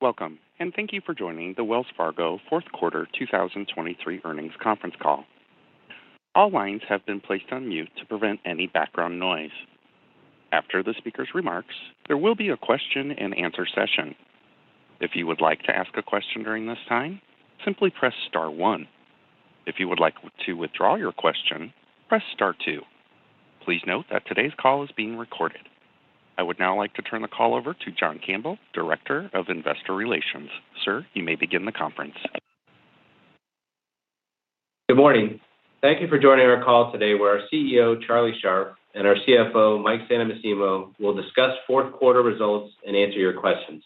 Welcome, and thank you for joining the Wells Fargo fourth quarter 2023 earnings conference call. All lines have been placed on mute to prevent any background noise. After the speaker's remarks, there will be a question-and-answer session. If you would like to ask a question during this time, simply press star one. If you would like to withdraw your question, press star two. Please note that today's call is being recorded. I would now like to turn the call over to John Campbell, Director of Investor Relations. Sir, you may begin the conference. Good morning. Thank you for joining our call today, where our CEO, Charlie Scharf, and our CFO, Mike Santomassimo, will discuss fourth quarter results and answer your questions.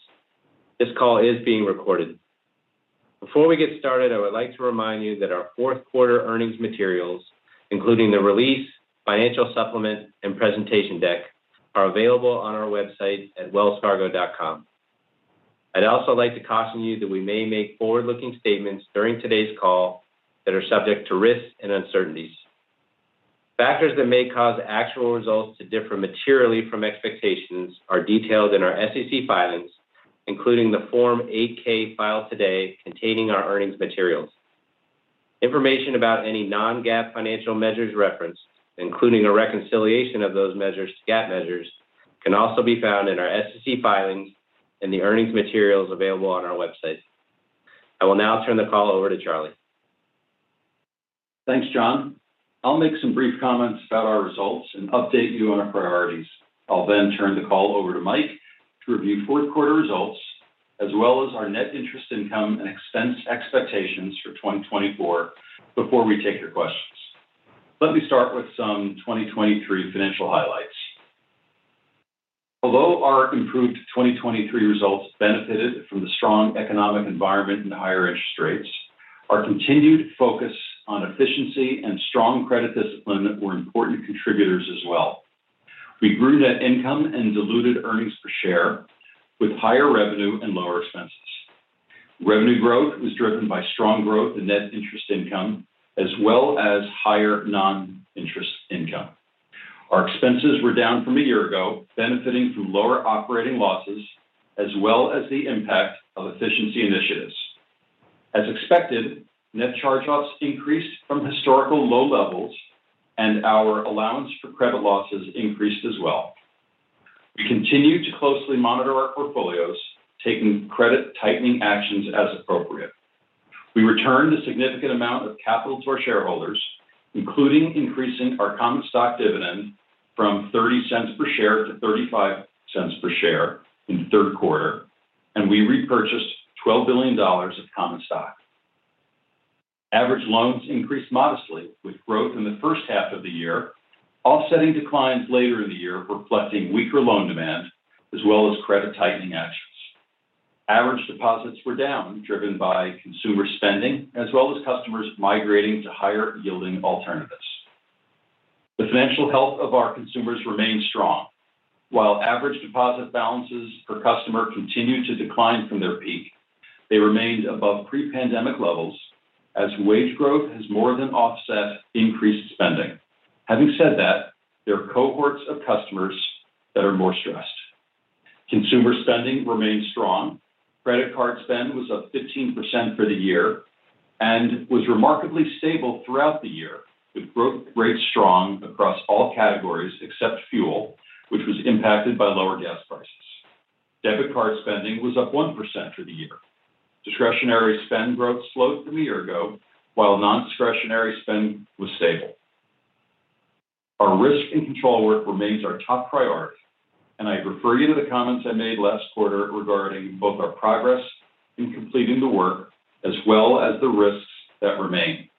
This call is being recorded. Before we get started, I would like to remind you that our fourth quarter earnings materials, including the release, financial supplement, and presentation deck, are available on our website at wellsfargo.com. I'd also like to caution you that we may make forward-looking statements during today's call that are subject to risks and uncertainties. Factors that may cause actual results to differ materially from expectations are detailed in our SEC filings, including the Form 8-K filed today containing our earnings materials. Information about any non-GAAP financial measures referenced, including a reconciliation of those measures to GAAP measures, can also be found in our SEC filings and the earnings materials available on our website. I will now turn the call over to Charlie. Thanks, John. I'll make some brief comments about our results and update you on our priorities. I'll then turn the call over to Mike to review fourth quarter results, as well as our net interest income and expense expectations for 2024, before we take your questions. Let me start with some 2023 financial highlights. Although our improved 2023 results benefited from the strong economic environment and higher interest rates, our continued focus on efficiency and strong credit discipline were important contributors as well. We grew net income and diluted earnings per share with higher revenue and lower expenses. Revenue growth was driven by strong growth in net interest income, as well as higher non-interest income. Our expenses were down from a year ago, benefiting from lower operating losses, as well as the impact of efficiency initiatives. As expected, net charge-offs increased from historical low levels, and our allowance for credit losses increased as well. We continue to closely monitor our portfolios, taking credit tightening actions as appropriate. We returned a significant amount of capital to our shareholders, including increasing our common stock dividend from $0.30 per share to $0.35 per share in the third quarter, and we repurchased $12 billion of common stock. Average loans increased modestly, with growth in the first half of the year, offsetting declines later in the year, reflecting weaker loan demand, as well as credit tightening actions. Average deposits were down, driven by consumer spending, as well as customers migrating to higher-yielding alternatives. The financial health of our consumers remained strong. While average deposit balances per customer continued to decline from their peak, they remained above pre-pandemic levels as wage growth has more than offset increased spending. Having said that, there are cohorts of customers that are more stressed. Consumer spending remained strong. Credit card spend was up 15% for the year and was remarkably stable throughout the year, with growth rates strong across all categories except fuel, which was impacted by lower gas prices. Debit card spending was up 1% for the year. Discretionary spend growth slowed from a year ago, while non-discretionary spend was stable. Our risk and control work remains our top priority, and I refer you to the comments I made last quarter regarding both our progress in completing the work as well as the risks that remain.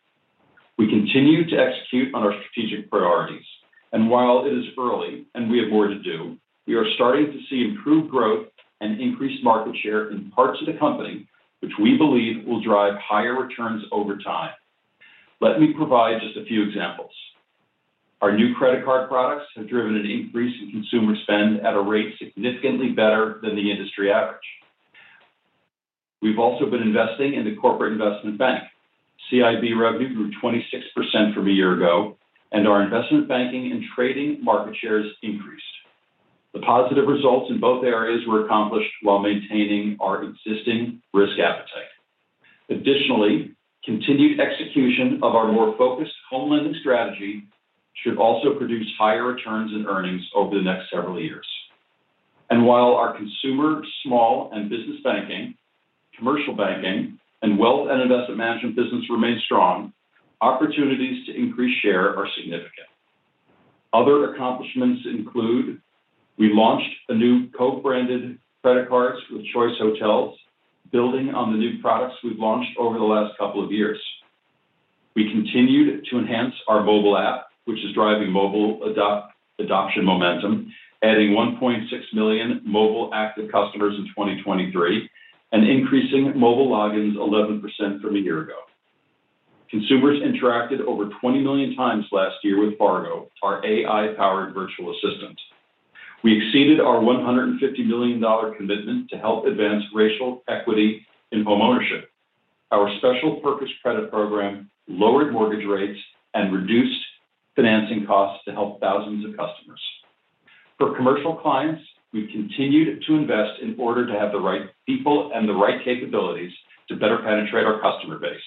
We continue to execute on our strategic priorities, and while it is early and we have more to do, we are starting to see improved growth and increased market share in parts of the company which we believe will drive higher returns over time. Let me provide just a few examples. Our new credit card products have driven an increase in consumer spend at a rate significantly better than the industry average. We've also been investing in the Corporate Investment Bank. CIB revenue grew 26% from a year ago, and our investment banking and trading market shares increased. The positive results in both areas were accomplished while maintaining our existing risk appetite. Additionally, continued execution of our more focused home lending strategy should also produce higher returns and earnings over the next several years. And while our consumer, small and business banking, Commercial Banking, and Wealth and Investment Management business remain strong, opportunities to increase share are significant. Other accomplishments include: we launched a new co-branded credit cards with Choice Hotels, building on the new products we've launched over the last couple of years. We continued to enhance our mobile app, which is driving mobile adoption momentum, adding 1.6 million mobile active customers in 2023 and increasing mobile logins 11% from a year ago. Consumers interacted over 20 million times last year with Fargo, our AI-powered virtual assistant. We exceeded our $150 million commitment to help advance racial equity in homeownership. Our special purpose credit program lowered mortgage rates and reduced financing costs to help thousands of customers. For commercial clients, we've continued to invest in order to have the right people and the right capabilities to better penetrate our customer base.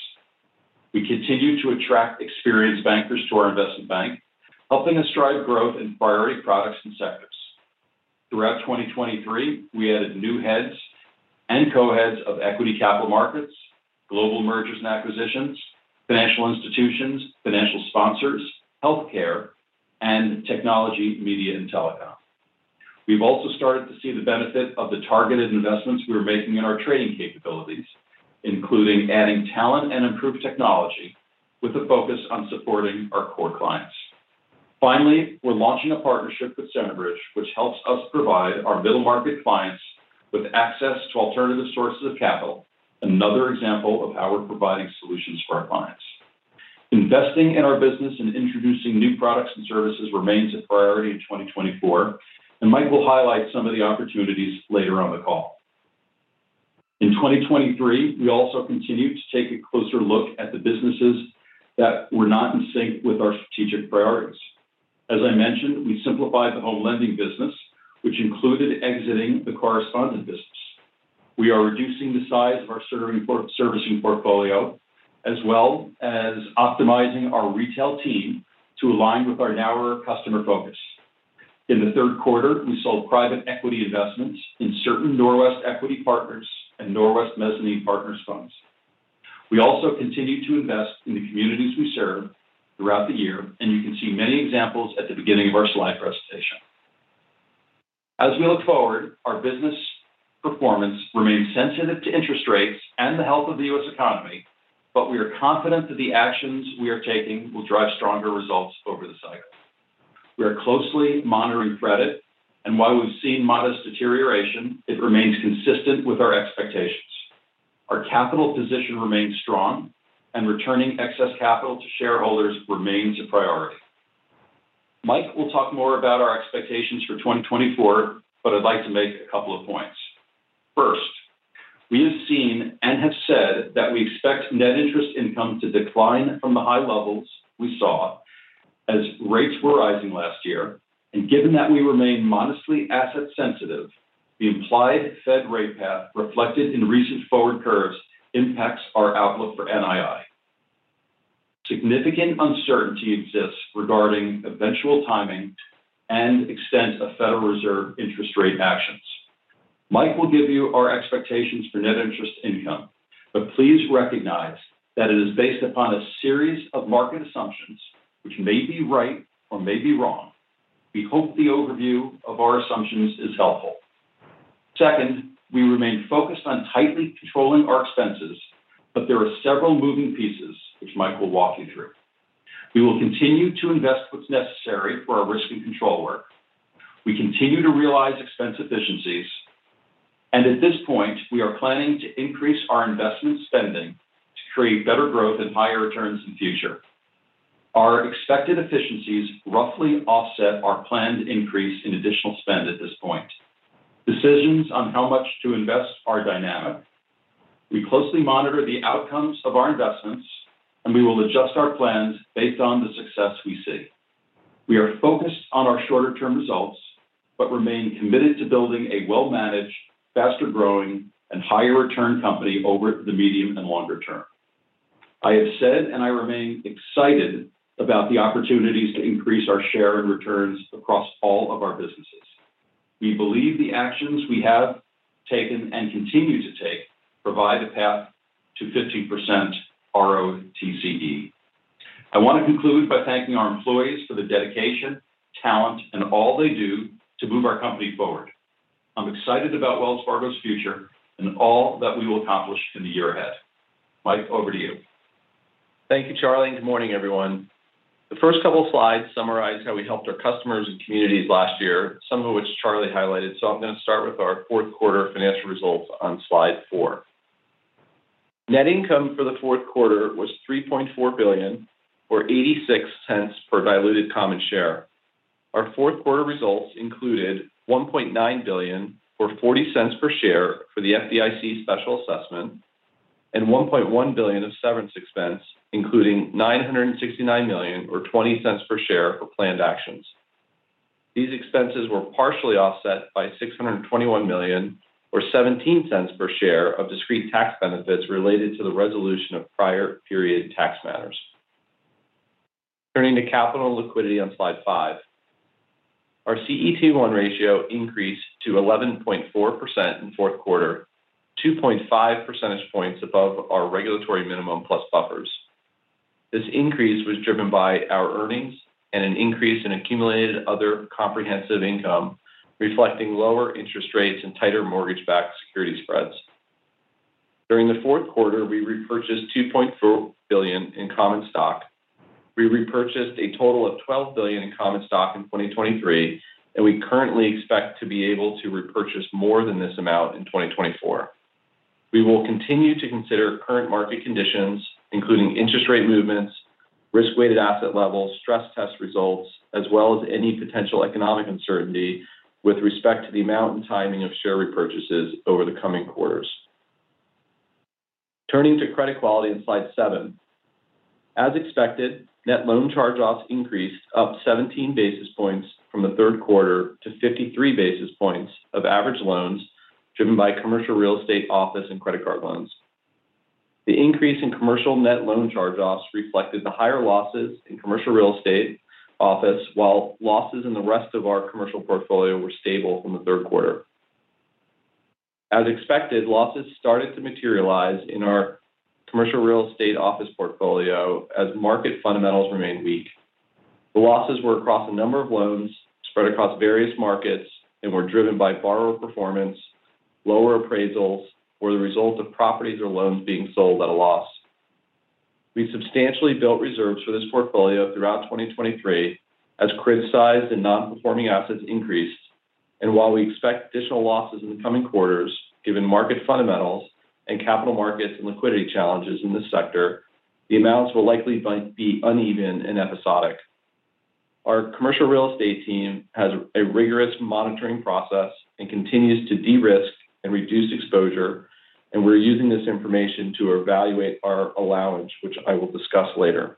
We continue to attract experienced bankers to our investment bank, helping us drive growth in priority products and sectors. Throughout 2023, we added new heads and co-heads of equity capital markets, global mergers and acquisitions, financial institutions, financial sponsors, healthcare, and technology, media, and telecom. We've also started to see the benefit of the targeted investments we are making in our trading capabilities, including adding talent and improved technology, with a focus on supporting our core clients. Finally, we're launching a partnership with Centerbridge, which helps us provide our middle-market clients with access to alternative sources of capital, another example of how we're providing solutions for our clients. Investing in our business and introducing new products and services remains a priority in 2024, and Mike will highlight some of the opportunities later on the call. In 2023, we also continued to take a closer look at the businesses that were not in sync with our strategic priorities. As I mentioned, we simplified the home lending business, which included exiting the correspondent business. We are reducing the size of our servicing portfolio, as well as optimizing our retail team to align with our narrower customer focus. In the third quarter, we sold private equity investments in certain Norwest Equity Partners and Norwest Mezzanine Partners funds. We also continued to invest in the communities we serve throughout the year, and you can see many examples at the beginning of our slide presentation. As we look forward, our business performance remains sensitive to interest rates and the health of the U.S. economy, but we are confident that the actions we are taking will drive stronger results over the cycle. We are closely monitoring credit, and while we've seen modest deterioration, it remains consistent with our expectations. Our capital position remains strong, and returning excess capital to shareholders remains a priority. Mike will talk more about our expectations for 2024, but I'd like to make a couple of points. First, we have seen and have said that we expect net interest income to decline from the high levels we saw as rates were rising last year, and given that we remain modestly asset sensitive, the implied Fed rate path reflected in recent forward curves impacts our outlook for NII. Significant uncertainty exists regarding eventual timing and extent of Federal Reserve interest rate actions. Mike will give you our expectations for net interest income, but please recognize that it is based upon a series of market assumptions, which may be right or may be wrong. We hope the overview of our assumptions is helpful. Second, we remain focused on tightly controlling our expenses, but there are several moving pieces which Mike will walk you through. We will continue to invest what's necessary for our risk and control work. We continue to realize expense efficiencies, and at this point, we are planning to increase our investment spending to create better growth and higher returns in future. Our expected efficiencies roughly offset our planned increase in additional spend at this point. Decisions on how much to invest are dynamic. We closely monitor the outcomes of our investments, and we will adjust our plans based on the success we see. We are focused on our shorter-term results, but remain committed to building a well-managed, faster-growing, and higher-return company over the medium and longer term. I have said, and I remain excited about the opportunities to increase our share and returns across all of our businesses. We believe the actions we have taken and continue to take provide a path to 15% ROTCE. I want to conclude by thanking our employees for their dedication, talent, and all they do to move our company forward. I'm excited about Wells Fargo's future and all that we will accomplish in the year ahead. Mike, over to you. Thank you, Charlie, and good morning, everyone. The first couple of slides summarize how we helped our customers and communities last year, some of which Charlie highlighted. So I'm going to start with our fourth quarter financial results on slide 4. Net income for the fourth quarter was $3.4 billion or $0.86 per diluted common share. Our fourth quarter results included $1.9 billion or $0.40 per share for the FDIC special assessment and $1.1 billion of severance expense, including $969 million or $0.20 per share for planned actions. These expenses were partially offset by $621 million or $0.17 per share of discrete tax benefits related to the resolution of prior period tax matters. Turning to capital and liquidity on slide 5. Our CET1 ratio increased to 11.4% in fourth quarter, 2.5 percentage points above our regulatory minimum plus buffers. This increase was driven by our earnings and an increase in accumulated other comprehensive income, reflecting lower interest rates and tighter mortgage-backed security spreads. During the fourth quarter, we repurchased $2.4 billion in common stock. We repurchased a total of $12 billion in common stock in 2023, and we currently expect to be able to repurchase more than this amount in 2024. We will continue to consider current market conditions, including interest rate movements, risk-weighted asset levels, stress test results, as well as any potential economic uncertainty with respect to the amount and timing of share repurchases over the coming quarters. Turning to credit quality on slide seven. As expected, net loan charge-offs increased up 17 basis points from the third quarter to 53 basis points of average loans, driven by commercial real estate, office, and credit card loans. The increase in commercial net loan charge-offs reflected the higher losses in commercial real estate office, while losses in the rest of our commercial portfolio were stable from the third quarter. As expected, losses started to materialize in our commercial real estate office portfolio as market fundamentals remained weak. The losses were across a number of loans, spread across various markets, and were driven by borrower performance, lower appraisals, or the result of properties or loans being sold at a loss. We substantially built reserves for this portfolio throughout 2023 as criticized and non-performing assets increased. While we expect additional losses in the coming quarters, given market fundamentals and capital markets and liquidity challenges in this sector, the amounts will likely be uneven and episodic. Our commercial real estate team has a rigorous monitoring process and continues to de-risk and reduce exposure, and we're using this information to evaluate our allowance, which I will discuss later.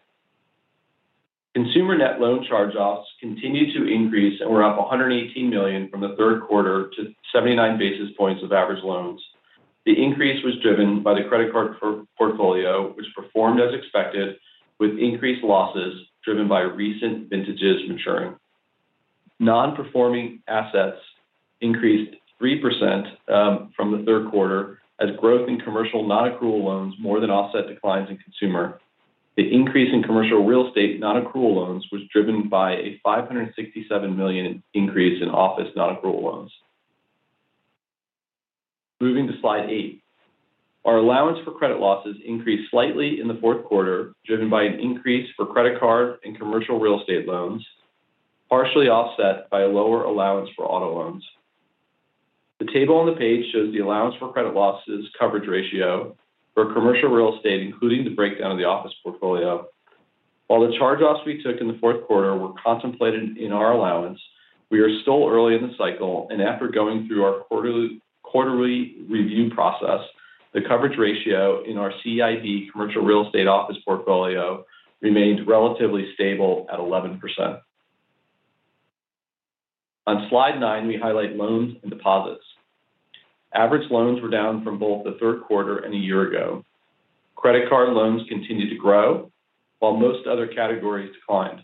Consumer net loan charge-offs continued to increase and were up $118 million from the third quarter to 79 basis points of average loans. The increase was driven by the credit card portfolio, which performed as expected, with increased losses driven by recent vintages maturing. Non-performing assets increased 3% from the third quarter, as growth in commercial non-accrual loans more than offset declines in consumer. The increase in commercial real estate non-accrual loans was driven by a $567 million increase in office non-accrual loans. Moving to slide 8. Our allowance for credit losses increased slightly in the fourth quarter, driven by an increase for credit card and commercial real estate loans, partially offset by a lower allowance for auto loans. The table on the page shows the allowance for credit losses coverage ratio for commercial real estate, including the breakdown of the office portfolio. While the charge-offs we took in the fourth quarter were contemplated in our allowance, we are still early in the cycle, and after going through our quarterly review process, the coverage ratio in our CIB commercial real estate office portfolio remains relatively stable at 11%. On slide 9, we highlight loans and deposits. Average loans were down from both the third quarter and a year ago. Credit card loans continued to grow, while most other categories declined.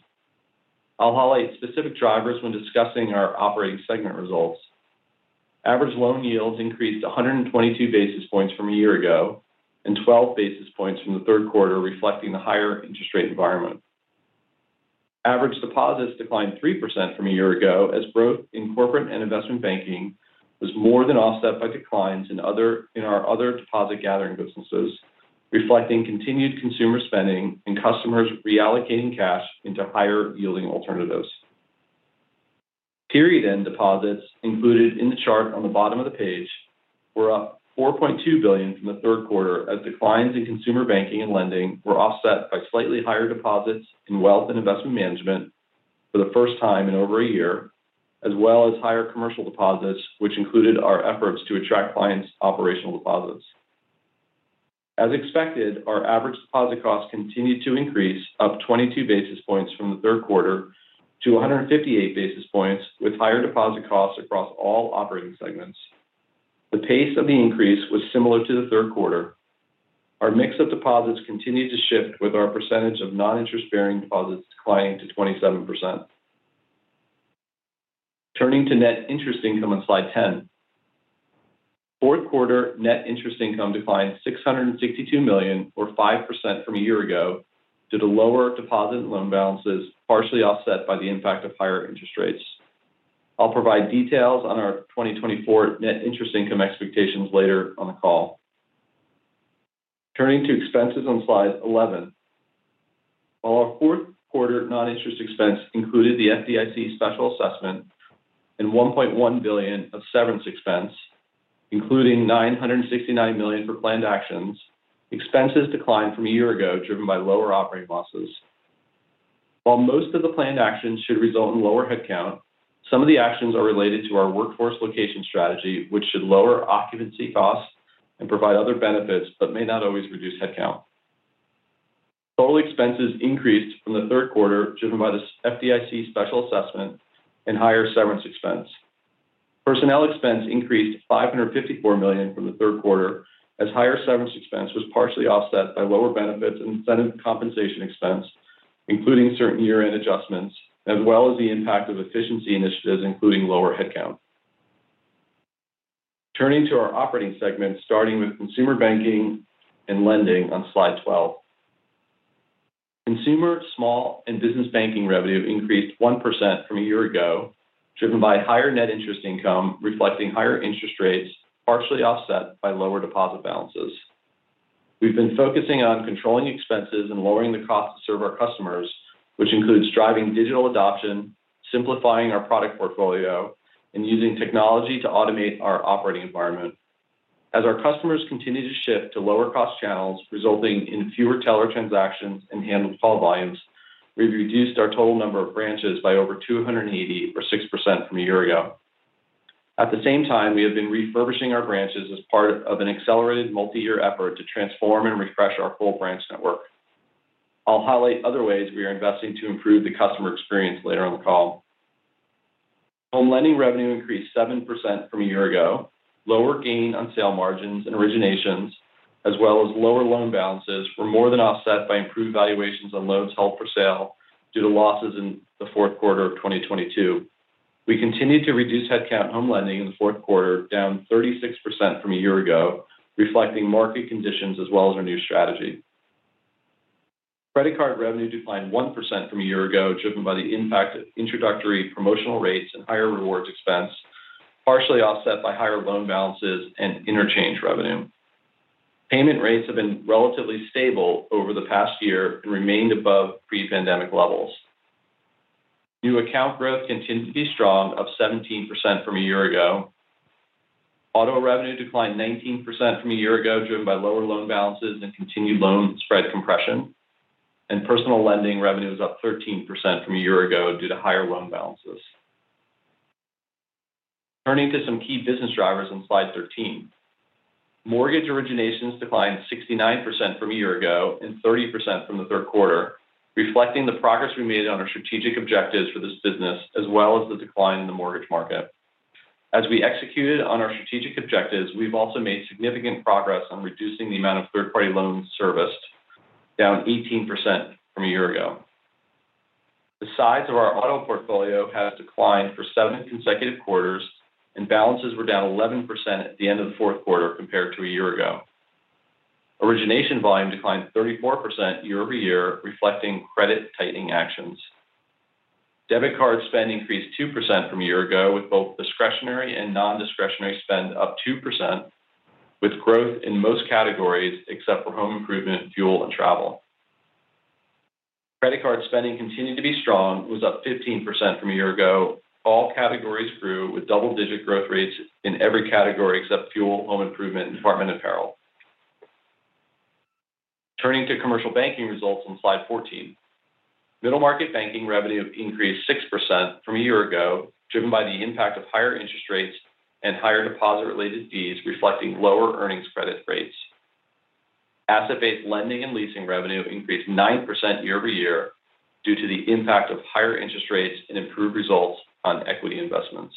I'll highlight specific drivers when discussing our operating segment results. Average loan yields increased 122 basis points from a year ago and 12 basis points from the third quarter, reflecting the higher interest rate environment. Average deposits declined 3% from a year ago, as growth in corporate and investment banking was more than offset by declines in other deposit gathering businesses, reflecting continued consumer spending and customers reallocating cash into higher-yielding alternatives. Period-end deposits included in the chart on the bottom of the page were up $4.2 billion from the third quarter, as declines in consumer banking and lending were offset by slightly higher deposits in wealth and investment management for the first time in over a year, as well as higher commercial deposits, which included our efforts to attract clients' operational deposits. As expected, our average deposit costs continued to increase, up 22 basis points from the third quarter to 158 basis points, with higher deposit costs across all operating segments. The pace of the increase was similar to the third quarter. Our mix of deposits continued to shift, with our percentage of non-interest-bearing deposits declining to 27%. Turning to net interest income on slide 10. Fourth quarter net interest income declined $662 million or 5% from a year ago due to lower deposit and loan balances, partially offset by the impact of higher interest rates. I'll provide details on our 2024 net interest income expectations later on the call. Turning to expenses on slide 11. While our fourth quarter non-interest expense included the FDIC special assessment and $1.1 billion of severance expense, including $969 million for planned actions, expenses declined from a year ago, driven by lower operating losses. While most of the planned actions should result in lower headcount, some of the actions are related to our workforce location strategy, which should lower occupancy costs and provide other benefits, but may not always reduce headcount. Total expenses increased from the third quarter, driven by the FDIC special assessment and higher severance expense. Personnel expense increased to $554 million from the third quarter, as higher severance expense was partially offset by lower benefits and incentive compensation expense, including certain year-end adjustments, as well as the impact of efficiency initiatives, including lower headcount. Turning to our operating segment, starting with consumer banking and lending on slide 12. Consumer small and business banking revenue increased 1% from a year ago, driven by higher net interest income, reflecting higher interest rates, partially offset by lower deposit balances. We've been focusing on controlling expenses and lowering the cost to serve our customers, which includes driving digital adoption, simplifying our product portfolio, and using technology to automate our operating environment.... As our customers continue to shift to lower-cost channels, resulting in fewer teller transactions and handled call volumes, we've reduced our total number of branches by over 280, or 6% from a year ago. At the same time, we have been refurbishing our branches as part of an accelerated multi-year effort to transform and refresh our full branch network. I'll highlight other ways we are investing to improve the customer experience later on the call. Home lending revenue increased 7% from a year ago. Lower gain on sale margins and originations, as well as lower loan balances, were more than offset by improved valuations on loans held for sale due to losses in the fourth quarter of 2022. We continued to reduce headcount in home lending in the fourth quarter, down 36% from a year ago, reflecting market conditions as well as our new strategy. Credit card revenue declined 1% from a year ago, driven by the impact of introductory promotional rates and higher rewards expense, partially offset by higher loan balances and interchange revenue. Payment rates have been relatively stable over the past year and remained above pre-pandemic levels. New account growth continued to be strong, up 17% from a year ago. Auto revenue declined 19% from a year ago, driven by lower loan balances and continued loan spread compression, and personal lending revenue is up 13% from a year ago due to higher loan balances. Turning to some key business drivers on slide 13. Mortgage originations declined 69% from a year ago and 30% from the third quarter, reflecting the progress we made on our strategic objectives for this business, as well as the decline in the mortgage market. As we executed on our strategic objectives, we've also made significant progress on reducing the amount of third-party loans serviced, down 18% from a year ago. The size of our auto portfolio has declined for seven consecutive quarters, and balances were down 11% at the end of the fourth quarter compared to a year ago. Origination volume declined 34% year-over-year, reflecting credit tightening actions. Debit card spend increased 2% from a year ago, with both discretionary and non-discretionary spend up 2%, with growth in most categories except for home improvement, fuel, and travel. Credit card spending continued to be strong, was up 15% from a year ago. All categories grew with double-digit growth rates in every category except fuel, home improvement, department apparel. Turning to Commercial Banking results on slide 14. Middle Market Banking revenue increased 6% from a year ago, driven by the impact of higher interest rates and higher deposit-related fees, reflecting lower earnings credit rates. Asset-based lending and leasing revenue increased 9% year-over-year due to the impact of higher interest rates and improved results on equity investments.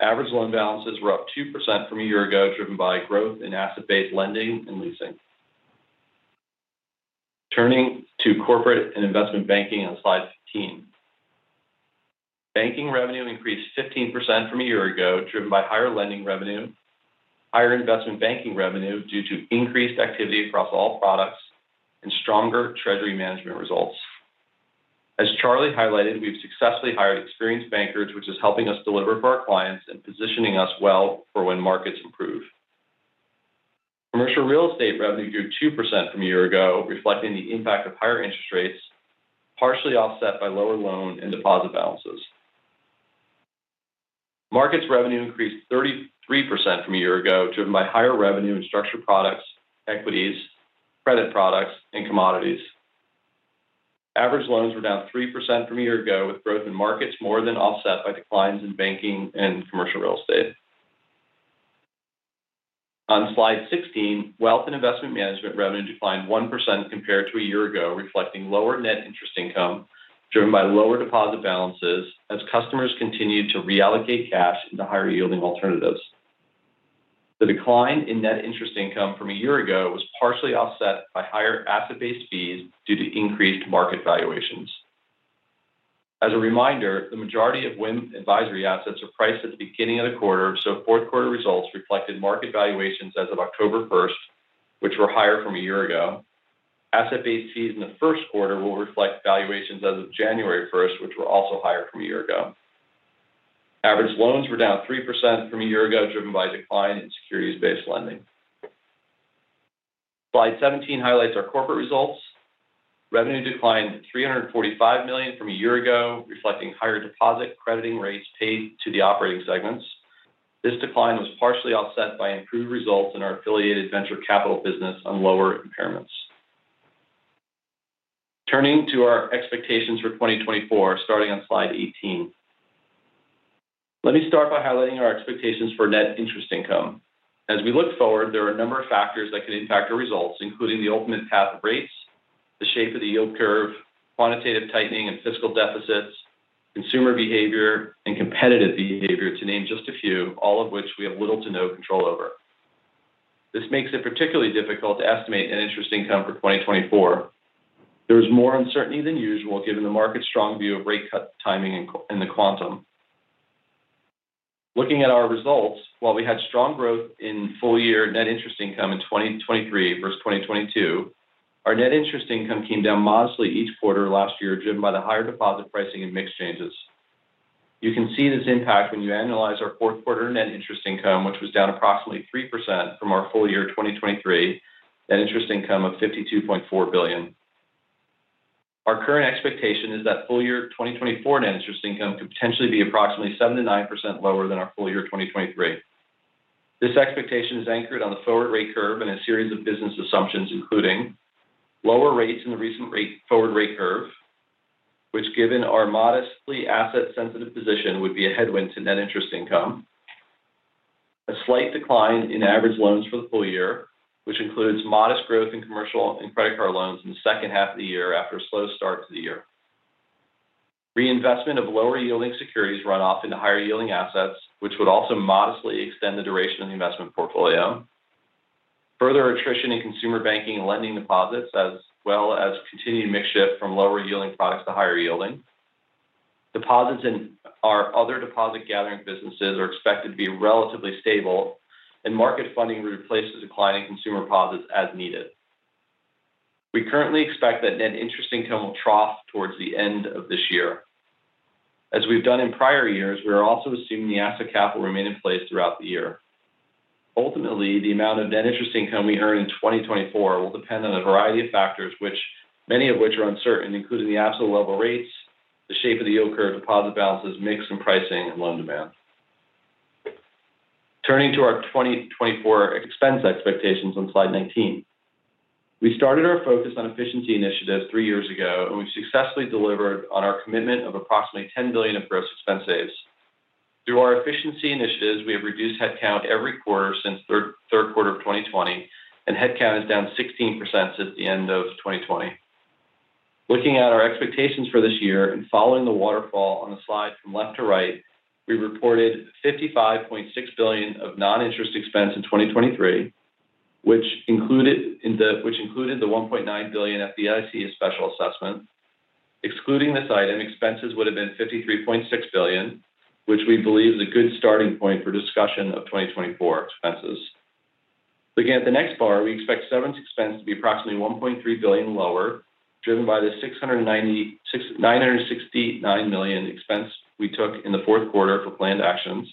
Average loan balances were up 2% from a year ago, driven by growth in asset-based lending and leasing. Turning to Corporate and Investment Banking on slide 15. Banking revenue increased 15% from a year ago, driven by higher lending revenue, higher investment banking revenue due to increased activity across all products, and stronger treasury management results. As Charlie highlighted, we've successfully hired experienced bankers, which is helping us deliver for our clients and positioning us well for when markets improve. Commercial real estate revenue grew 2% from a year ago, reflecting the impact of higher interest rates, partially offset by lower loan and deposit balances. Markets revenue increased 33% from a year ago, driven by higher revenue in structured products, equities, credit products, and commodities. Average loans were down 3% from a year ago, with growth in markets more than offset by declines in banking and commercial real estate. On slide 16, wealth and investment management revenue declined 1% compared to a year ago, reflecting lower net interest income, driven by lower deposit balances as customers continued to reallocate cash into higher-yielding alternatives. The decline in net interest income from a year ago was partially offset by higher asset-based fees due to increased market valuations. As a reminder, the majority of WIM advisory assets are priced at the beginning of the quarter, so fourth quarter results reflected market valuations as of October first, which were higher from a year ago. Asset-based fees in the first quarter will reflect valuations as of January first, which were also higher from a year ago. Average loans were down 3% from a year ago, driven by a decline in securities-based lending. Slide 17 highlights our corporate results. Revenue declined $345 million from a year ago, reflecting higher deposit crediting rates paid to the operating segments. This decline was partially offset by improved results in our affiliated venture capital business on lower impairments. Turning to our expectations for 2024, starting on slide 18. Let me start by highlighting our expectations for net interest income. As we look forward, there are a number of factors that could impact our results, including the ultimate path of rates, the shape of the yield curve, quantitative tightening and fiscal deficits, consumer behavior, and competitive behavior, to name just a few, all of which we have little to no control over. This makes it particularly difficult to estimate net interest income for 2024. There is more uncertainty than usual, given the market's strong view of rate cut timing and the quantum. Looking at our results, while we had strong growth in full-year net interest income in 2023 versus 2022, our net interest income came down modestly each quarter last year, driven by the higher deposit pricing and mix changes. You can see this impact when you annualize our fourth quarter net interest income, which was down approximately 3% from our full year 2023 net interest income of $52.4 billion. Our current expectation is that full year 2024 net interest income could potentially be approximately 7%-9% lower than our full year 2023. This expectation is anchored on the forward rate curve and a series of business assumptions, including lower rates in the recent rate, forward rate curve, which, given our modestly asset-sensitive position, would be a headwind to net interest income. A slight decline in average loans for the full year, which includes modest growth in commercial and credit card loans in the second half of the year after a slow start to the year. Reinvestment of lower-yielding securities run off into higher-yielding assets, which would also modestly extend the duration of the investment portfolio. Further attrition in consumer banking and lending deposits, as well as continued mix shift from lower-yielding products to higher yielding. Deposits in our other deposit gathering businesses are expected to be relatively stable, and market funding will replace the declining consumer deposits as needed. We currently expect that net interest income will trough towards the end of this year. As we've done in prior years, we are also assuming the asset cap will remain in place throughout the year. Ultimately, the amount of net interest income we earn in 2024 will depend on a variety of factors, which many of which are uncertain, including the absolute level of rates, the shape of the yield curve, deposit balances, mix and pricing, and loan demand. Turning to our 2024 expense expectations on slide 19. We started our focus on efficiency initiatives three years ago, and we've successfully delivered on our commitment of approximately $10 billion of gross expense saves. Through our efficiency initiatives, we have reduced headcount every quarter since third quarter of 2020, and headcount is down 16% since the end of 2020. Looking at our expectations for this year and following the waterfall on the slide from left to right, we reported $55.6 billion of non-interest expense in 2023, which included the $1.9 billion FDIC special assessment. Excluding this item, expenses would have been $53.6 billion, which we believe is a good starting point for discussion of 2024 expenses. Looking at the next bar, we expect severance expense to be approximately $1.3 billion lower, driven by the $969 million expense we took in the fourth quarter for planned actions.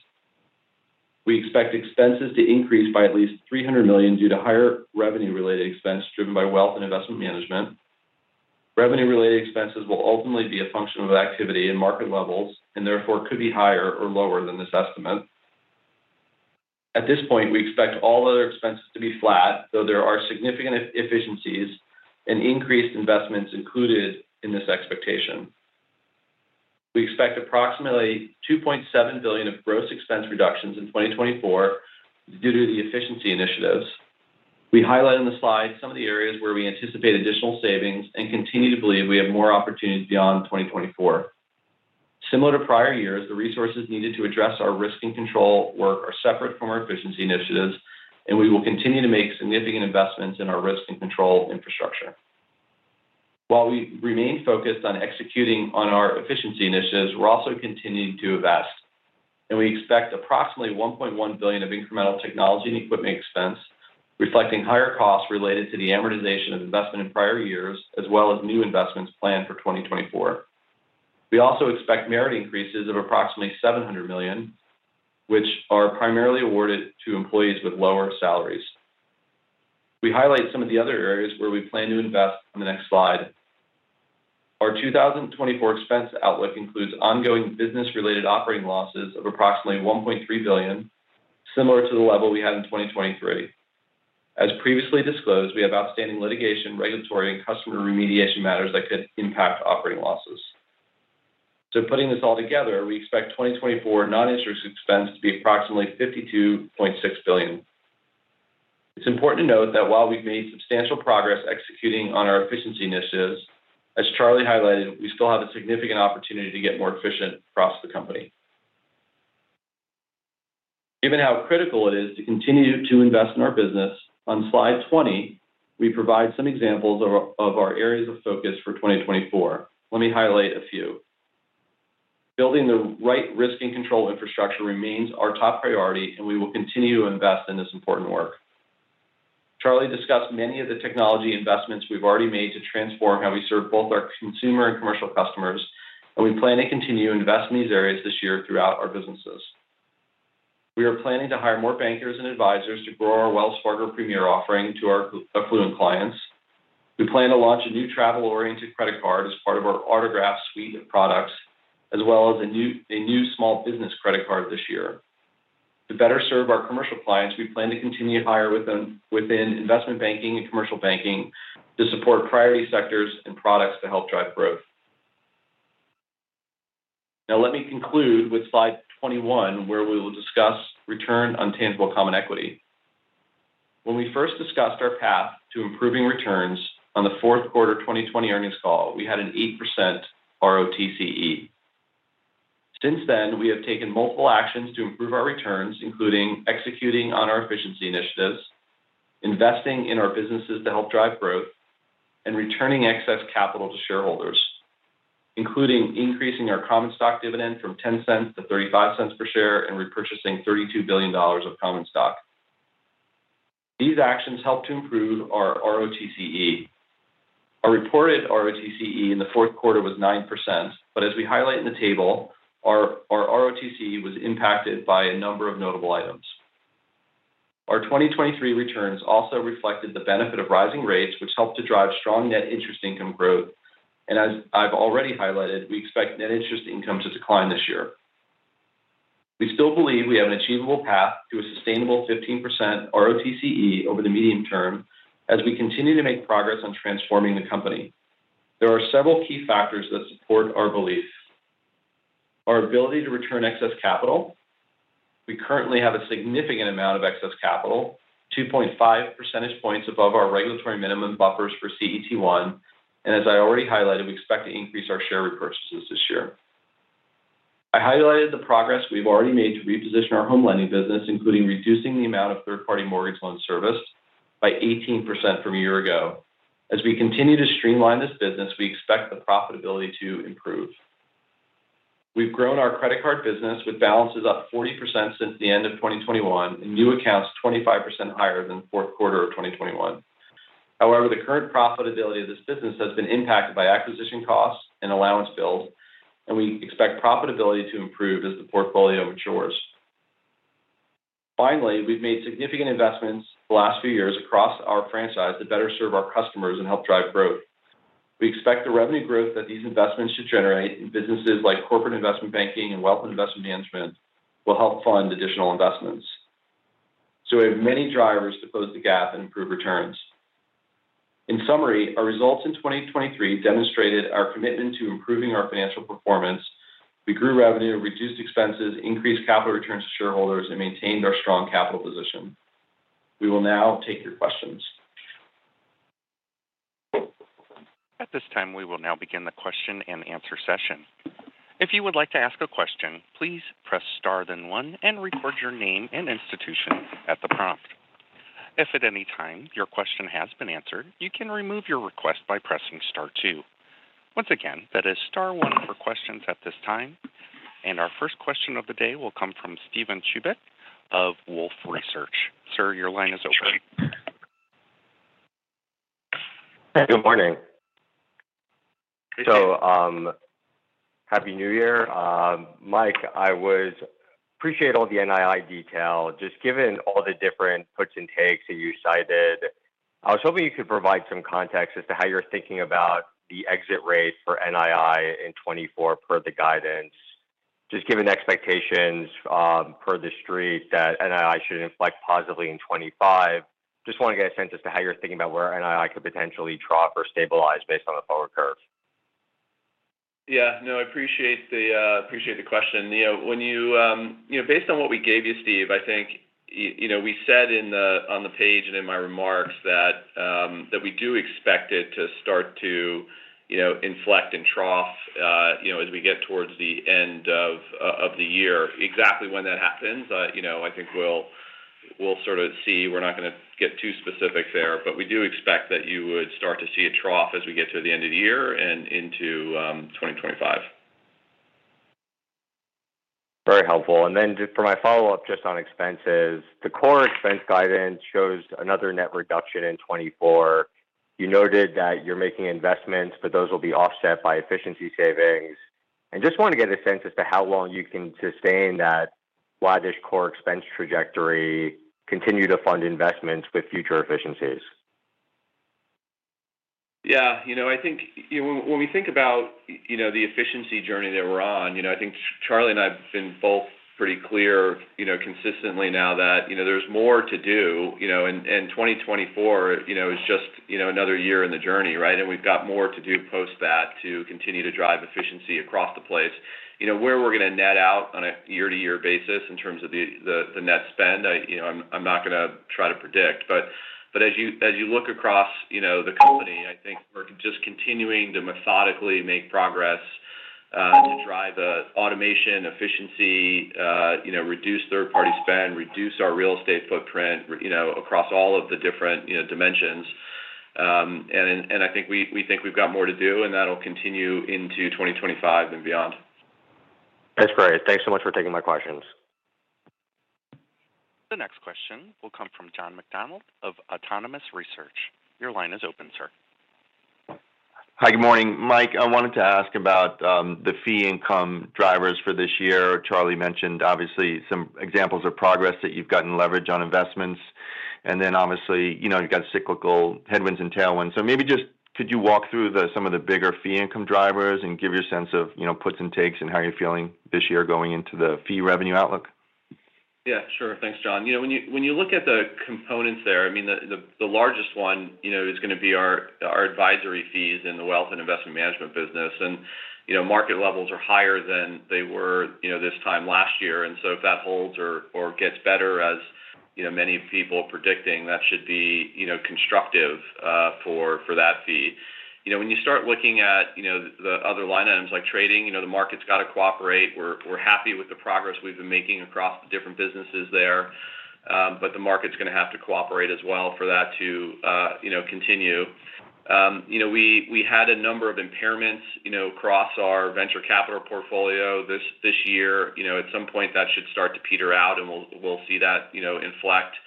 We expect expenses to increase by at least $300 million due to higher revenue-related expense driven by wealth and investment management. Revenue-related expenses will ultimately be a function of activity and market levels and therefore could be higher or lower than this estimate. At this point, we expect all other expenses to be flat, though there are significant efficiencies and increased investments included in this expectation. We expect approximately $2.7 billion of gross expense reductions in 2024 due to the efficiency initiatives. We highlight on the slide some of the areas where we anticipate additional savings and continue to believe we have more opportunities beyond 2024. Similar to prior years, the resources needed to address our risk and control work are separate from our efficiency initiatives, and we will continue to make significant investments in our risk and control infrastructure. While we remain focused on executing on our efficiency initiatives, we're also continuing to invest, and we expect approximately $1.1 billion of incremental technology and equipment expense, reflecting higher costs related to the amortization of investment in prior years, as well as new investments planned for 2024. We also expect merit increases of approximately $700 million, which are primarily awarded to employees with lower salaries. We highlight some of the other areas where we plan to invest on the next slide. Our 2024 expense outlook includes ongoing business-related operating losses of approximately $1.3 billion, similar to the level we had in 2023. As previously disclosed, we have outstanding litigation, regulatory, and customer remediation matters that could impact operating losses. So putting this all together, we expect 2024 non-interest expense to be approximately $52.6 billion. It's important to note that while we've made substantial progress executing on our efficiency initiatives, as Charlie highlighted, we still have a significant opportunity to get more efficient across the company. Given how critical it is to continue to invest in our business, on slide 20, we provide some examples of our areas of focus for 2024. Let me highlight a few. Building the right risk and control infrastructure remains our top priority, and we will continue to invest in this important work. Charlie discussed many of the technology investments we've already made to transform how we serve both our consumer and commercial customers, and we plan to continue to invest in these areas this year throughout our businesses. We are planning to hire more bankers and advisors to grow our Wells Fargo Premier offering to our affluent clients. We plan to launch a new travel-oriented credit card as part of our Autograph suite of products, as well as a new small business credit card this year. To better serve our commercial clients, we plan to continue to hire within investment banking and commercial banking to support priority sectors and products to help drive growth. Now let me conclude with slide 21, where we will discuss return on tangible common equity. When we first discussed our path to improving returns on the fourth quarter of 2020 earnings call, we had an 8% ROTCE. Since then, we have taken multiple actions to improve our returns, including executing on our efficiency initiatives, investing in our businesses to help drive growth, and returning excess capital to shareholders, including increasing our common stock dividend from $0.10-$0.35 per share and repurchasing $32 billion of common stock. These actions helped to improve our ROTCE. Our reported ROTCE in the fourth quarter was 9%, but as we highlight in the table, our ROTCE was impacted by a number of notable items. Our 2023 returns also reflected the benefit of rising rates, which helped to drive strong net interest income growth. And as I've already highlighted, we expect net interest income to decline this year. We still believe we have an achievable path to a sustainable 15% ROTCE over the medium term, as we continue to make progress on transforming the company. There are several key factors that support our belief. Our ability to return excess capital. We currently have a significant amount of excess capital, 2.5 percentage points above our regulatory minimum buffers for CET1, and as I already highlighted, we expect to increase our share repurchases this year. I highlighted the progress we've already made to reposition our home lending business, including reducing the amount of third-party mortgage loans serviced by 18% from a year ago. As we continue to streamline this business, we expect the profitability to improve. We've grown our credit card business, with balances up 40% since the end of 2021, and new accounts 25% higher than fourth quarter of 2021. However, the current profitability of this business has been impacted by acquisition costs and allowance builds, and we expect profitability to improve as the portfolio matures. Finally, we've made significant investments the last few years across our franchise to better serve our customers and help drive growth. We expect the revenue growth that these investments should generate in businesses like corporate investment banking and wealth investment management will help fund additional investments. So we have many drivers to close the gap and improve returns. In summary, our results in 2023 demonstrated our commitment to improving our financial performance. We grew revenue, reduced expenses, increased capital returns to shareholders, and maintained our strong capital position. We will now take your questions. At this time, we will now begin the question-and-answer session. If you would like to ask a question, please press star, then one, and record your name and institution at the prompt. If at any time your question has been answered, you can remove your request by pressing star two. Once again, that is star one for questions at this time. And our first question of the day will come from Steven Chubak of Wolfe Research. Sir, your line is open. Good morning. Happy New Year. Mike, I appreciate all the NII detail. Just given all the different puts and takes that you cited, I was hoping you could provide some context as to how you're thinking about the exit rates for NII in 2024, per the guidance. Just given the expectations, per the street, that NII should inflect positively in 2025. Just want to get a sense as to how you're thinking about where NII could potentially trough or stabilize based on the forward curve. Yeah. No, I appreciate the appreciate the question. You know, when you, you know, based on what we gave you, Steve, I think you know, we said in the, on the page and in my remarks that, that we do expect it to start to, you know, inflect and trough, you know, as we get towards the end of, of the year. Exactly when that happens, you know, I think we'll, we'll sort of see. We're not going to get too specific there, but we do expect that you would start to see a trough as we get to the end of the year and into, 2025. Very helpful. Just for my follow-up, just on expenses, the core expense guidance shows another net reduction in 2024. You noted that you're making investments, but those will be offset by efficiency savings. I just want to get a sense as to how long you can sustain that wide-ish core expense trajectory, continue to fund investments with future efficiencies. Yeah, you know, I think when we think about, you know, the efficiency journey that we're on, you know, I think Charlie and I have been both pretty clear, you know, consistently now that, you know, there's more to do. You know, and 2024, you know, is just, you know, another year in the journey, right? And we've got more to do post that to continue to drive efficiency across the place. You know, where we're going to net out on a year-to-year basis in terms of the net spend, you know, I'm not going to try to predict. But as you look across, you know, the company, I think we're just continuing to methodically make progress to drive automation, efficiency, you know, reduce third-party spend, reduce our real estate footprint, you know, across all of the different, you know, dimensions. And I think we think we've got more to do, and that'll continue into 2025 and beyond. That's great. Thanks so much for taking my questions. The next question will come from John McDonald of Autonomous Research. Your line is open, sir. Hi, good morning. Mike, I wanted to ask about the fee income drivers for this year. Charlie mentioned, obviously, some examples of progress that you've gotten leverage on investments, and then obviously, you know, you've got cyclical headwinds and tailwinds. So maybe just could you walk through some of the bigger fee income drivers and give your sense of, you know, puts and takes and how you're feeling this year going into the fee revenue outlook? Yeah, sure. Thanks, John. You know, when you look at the components there, I mean, the largest one, you know, is going to be our advisory fees in the Wealth and Investment Management business. And, you know, market levels are higher than they were, you know, this time last year. And so if that holds or gets better, as you know, many people are predicting, that should be, you know, constructive for that fee. You know, when you start looking at the other line items like trading, you know, the market's got to cooperate. We're happy with the progress we've been making across the different businesses there, but the market's going to have to cooperate as well for that to, you know, continue. You know, we had a number of impairments, you know, across our venture capital portfolio this year. You know, at some point, that should start to peter out, and we'll see that, you know, inflect.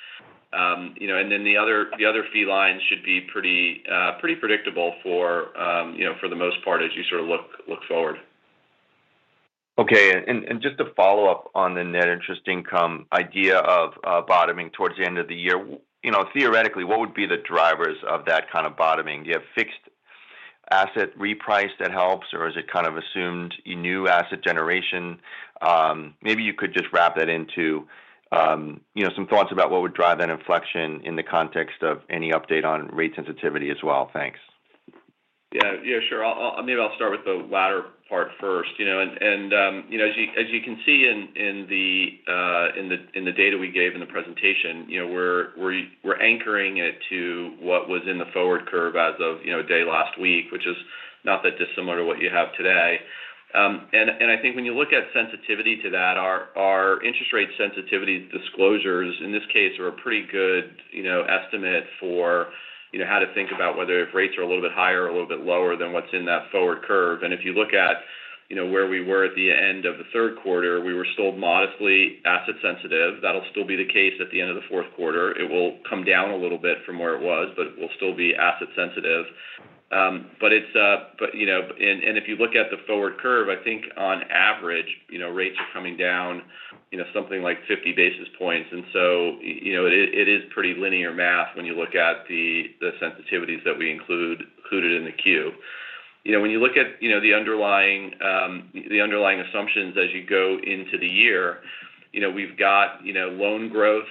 You know, and then the other fee lines should be pretty predictable for, you know, for the most part, as you sort of look forward.... Okay, and just to follow up on the net interest income idea of bottoming towards the end of the year, you know, theoretically, what would be the drivers of that kind of bottoming? Do you have fixed asset reprice that helps, or is it kind of assumed in new asset generation? Maybe you could just wrap that into, you know, some thoughts about what would drive that inflection in the context of any update on rate sensitivity as well. Thanks. Yeah. Yeah, sure. I'll start with the latter part first. You know, and you know, as you can see in the data we gave in the presentation, you know, we're anchoring it to what was in the forward curve as of, you know, day last week, which is not that dissimilar to what you have today. And I think when you look at sensitivity to that, our interest rate sensitivity disclosures, in this case, are a pretty good, you know, estimate for, you know, how to think about whether if rates are a little bit higher or a little bit lower than what's in that forward curve. And if you look at, you know, where we were at the end of the third quarter, we were still modestly asset sensitive. That'll still be the case at the end of the fourth quarter. It will come down a little bit from where it was, but we'll still be asset sensitive. But you know, if you look at the forward curve, I think on average, you know, rates are coming down, you know, something like 50 basis points. And so, you know, it is pretty linear math when you look at the sensitivities that we included in the queue. You know, when you look at, you know, the underlying assumptions as you go into the year, you know, we've got, you know, loan growth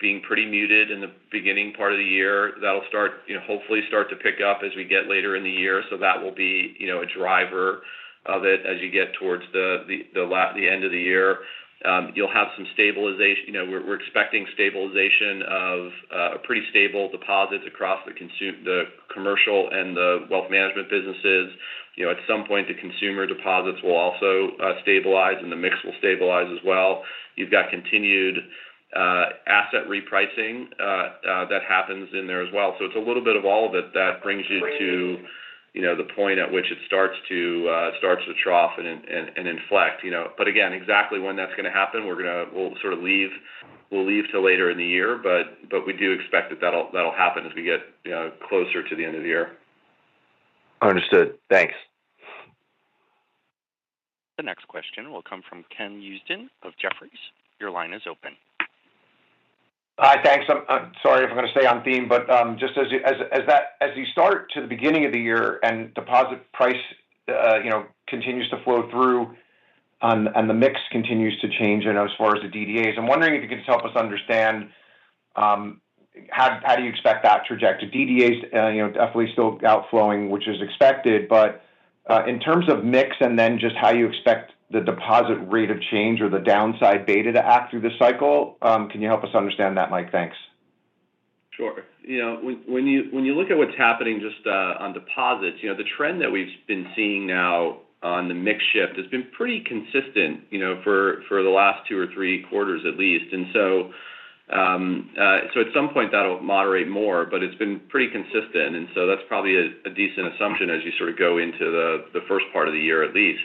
being pretty muted in the beginning part of the year. That'll start, you know, hopefully to pick up as we get later in the year. So that will be, you know, a driver of it as you get towards the end of the year. You'll have some stabilization you know, we're, we're expecting stabilization of a pretty stable deposits across the consumer the commercial and the wealth management businesses. You know, at some point, the consumer deposits will also stabilize, and the mix will stabilize as well. You've got continued asset repricing that happens in there as well. So it's a little bit of all of it that brings you to, you know, the point at which it starts to trough and inflect, you know. But again, exactly when that's going to happen, we're gonna... We'll sort of leave till later in the year, but we do expect that that'll happen as we get, you know, closer to the end of the year. Understood. Thanks. The next question will come from Ken Usdin of Jefferies. Your line is open. Hi, thanks. I'm sorry if I'm going to stay on theme, but just as you start to the beginning of the year and deposit price, you know, continues to flow through and the mix continues to change, and as far as the DDAs, I'm wondering if you can just help us understand how do you expect that trajectory? DDAs, you know, definitely still outflowing, which is expected, but in terms of mix and then just how you expect the deposit rate of change or the downside beta to act through the cycle, can you help us understand that, Mike? Thanks. Sure. You know, when you look at what's happening just on deposits, you know, the trend that we've been seeing now on the mix shift has been pretty consistent, you know, for the last two or three quarters at least. And so, so at some point, that'll moderate more, but it's been pretty consistent, and so that's probably a decent assumption as you sort of go into the first part of the year, at least.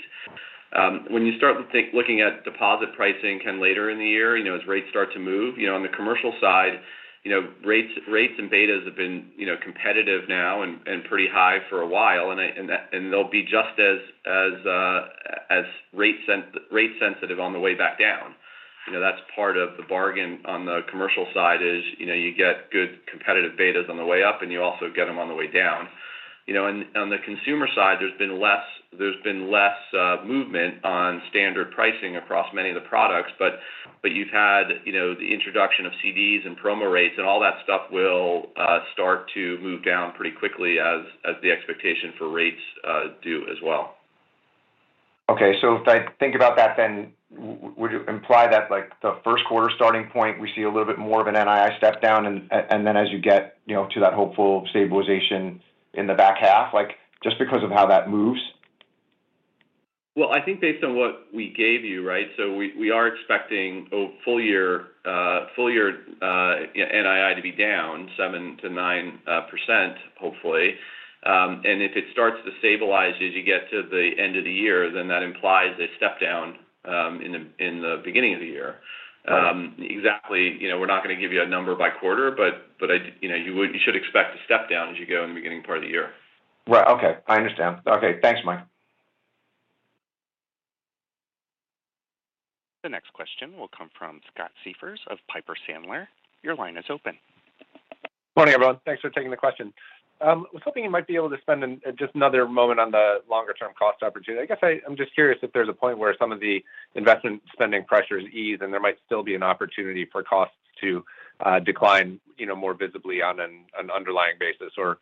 When you start to think, looking at deposit pricing, Ken, later in the year, you know, as rates start to move, you know, on the commercial side, you know, rates and betas have been, you know, competitive now and pretty high for a while, and they'll be just as rate sensitive on the way back down. You know, that's part of the bargain on the commercial side is, you know, you get good competitive betas on the way up, and you also get them on the way down. You know, and on the consumer side, there's been less movement on standard pricing across many of the products, but you've had, you know, the introduction of CDs and promo rates, and all that stuff will start to move down pretty quickly as the expectation for rates do as well. Okay. So if I think about that, then would you imply that, like, the first quarter starting point, we see a little bit more of an NII step down, and, and then as you get, you know, to that hopeful stabilization in the back half, like, just because of how that moves? Well, I think based on what we gave you, right? So we are expecting a full year NII to be down 7%-9%, hopefully. And if it starts to stabilize as you get to the end of the year, then that implies a step down in the beginning of the year. Right. Exactly, you know, we're not going to give you a number by quarter, but you know, you should expect a step down as you go in the beginning part of the year. Right. Okay, I understand. Okay. Thanks, Mike. The next question will come from Scott Siefers of Piper Sandler. Your line is open. Morning, everyone. Thanks for taking the question. I was hoping you might be able to spend just another moment on the longer term cost opportunity. I guess I'm just curious if there's a point where some of the investment spending pressures ease, and there might still be an opportunity for costs to decline, you know, more visibly on an underlying basis, or,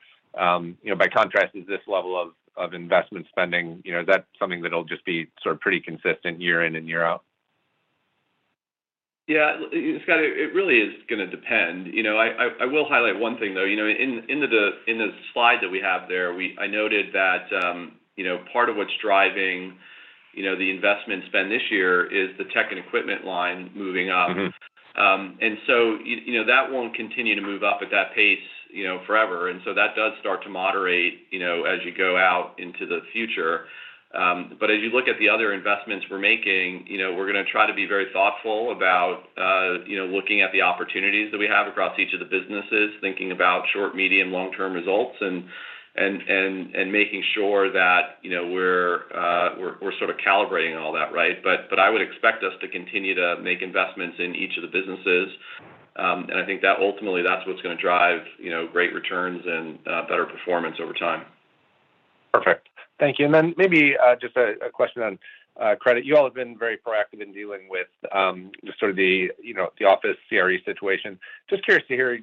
you know, by contrast, is this level of investment spending, you know, is that something that'll just be sort of pretty consistent year in and year out? Yeah, Scott, it really is gonna depend. You know, I will highlight one thing, though. You know, in the slide that we have there, I noted that, you know, part of what's driving the investment spend this year is the tech and equipment line moving up. And so, you know, that won't continue to move up at that pace, you know, forever, and so that does start to moderate, you know, as you go out into the future. But as you look at the other investments we're making, you know, we're going to try to be very thoughtful about, you know, looking at the opportunities that we have across each of the businesses, thinking about short, medium, long-term results, and making sure that, you know, we're sort of calibrating all that, right? But I would expect us to continue to make investments in each of the businesses. And I think that ultimately, that's what's going to drive, you know, great returns and, better performance over time. Perfect. Thank you. Then maybe just a question on credit. You all have been very proactive in dealing with sort of the, you know, the office CRE situation. Just curious to hear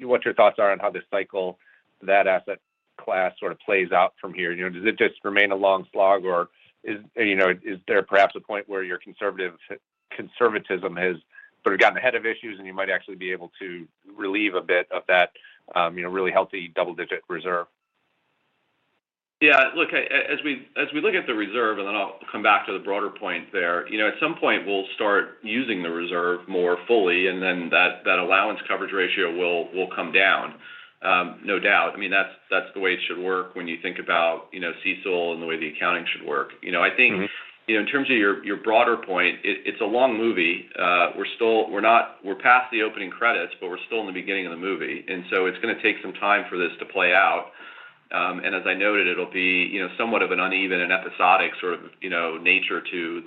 what your thoughts are on how this cycle, that asset class sort of plays out from here. You know, does it just remain a long slog, or you know, is there perhaps a point where your conservative conservatism has sort of gotten ahead of issues and you might actually be able to relieve a bit of that, you know, really healthy double-digit reserve? Yeah, look, as we look at the reserve, and then I'll come back to the broader point there. You know, at some point, we'll start using the reserve more fully, and then that allowance coverage ratio will come down, no doubt. I mean, that's the way it should work when you think about, you know, CECL and the way the accounting should work. You know, I think- You know, in terms of your broader point, it's a long movie. We're still not past the opening credits, but we're still in the beginning of the movie, and so it's going to take some time for this to play out. And as I noted, it'll be, you know, somewhat of an uneven and episodic sort of nature to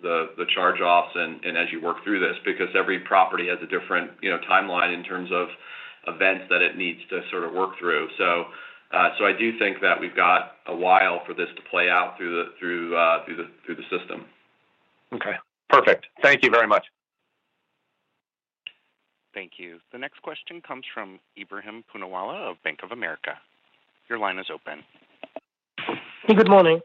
the charge-offs and as you work through this. Because every property has a different timeline in terms of events that it needs to sort of work through. So I do think that we've got a while for this to play out through the system. Okay, perfect. Thank you very much. Thank you. The next question comes from Ebrahim Poonawala of Bank of America. Your line is open. Hey, good morning.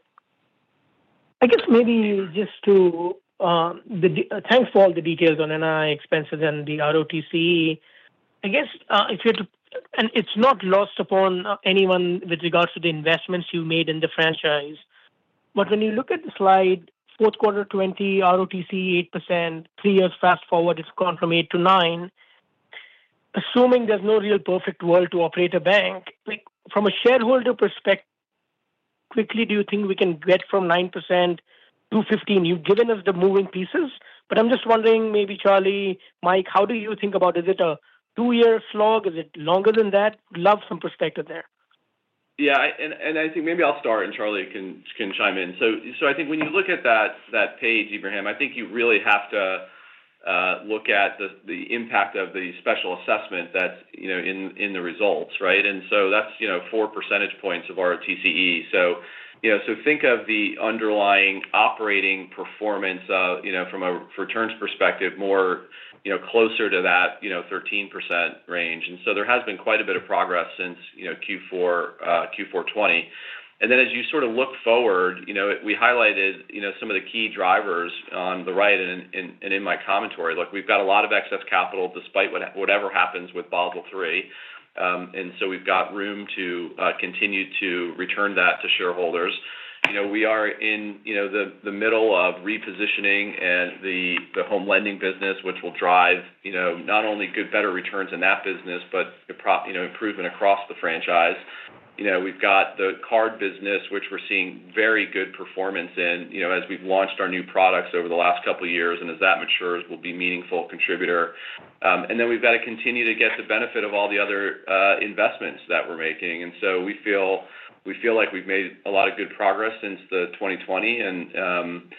I guess maybe just to... Thanks for all the details on NII expenses and the ROTCE. I guess, if you're to-- and it's not lost upon anyone with regards to the investments you made in the franchise. But when you look at the slide, fourth quarter 2020 ROTCE 8%, three years fast-forward, it's gone from 8%-9%. Assuming there's no real perfect world to operate a bank, like, from a shareholder perspective, quickly, do you think we can get from 9%-15%? You've given us the moving pieces, but I'm just wondering, maybe, Charlie, Mike, how do you think about it? Is it a two-year slog? Is it longer than that? Love some perspective there. Yeah, and I think maybe I'll start, and Charlie can chime in. So I think when you look at that page, Ibrahim, I think you really have to look at the impact of the special assessment that's, you know, in the results, right? And so that's, you know, four percentage points of ROTCE. So, you know, so think of the underlying operating performance, you know, from a returns perspective, more, you know, closer to that, you know, 13% range. And so there has been quite a bit of progress since, you know, Q4 2020. And then as you sort of look forward, you know, we highlighted, you know, some of the key drivers on the right and in my commentary. Look, we've got a lot of excess capital despite whatever happens with Basel III. So we've got room to continue to return that to shareholders. You know, we are in, you know, the middle of repositioning and the home lending business, which will drive, you know, not only good, better returns in that business, but, you know, improvement across the franchise. You know, we've got the card business, which we're seeing very good performance in, you know, as we've launched our new products over the last couple of years. And as that matures, will be a meaningful contributor. And then we've got to continue to get the benefit of all the other investments that we're making. And so we feel like we've made a lot of good progress since 2020. And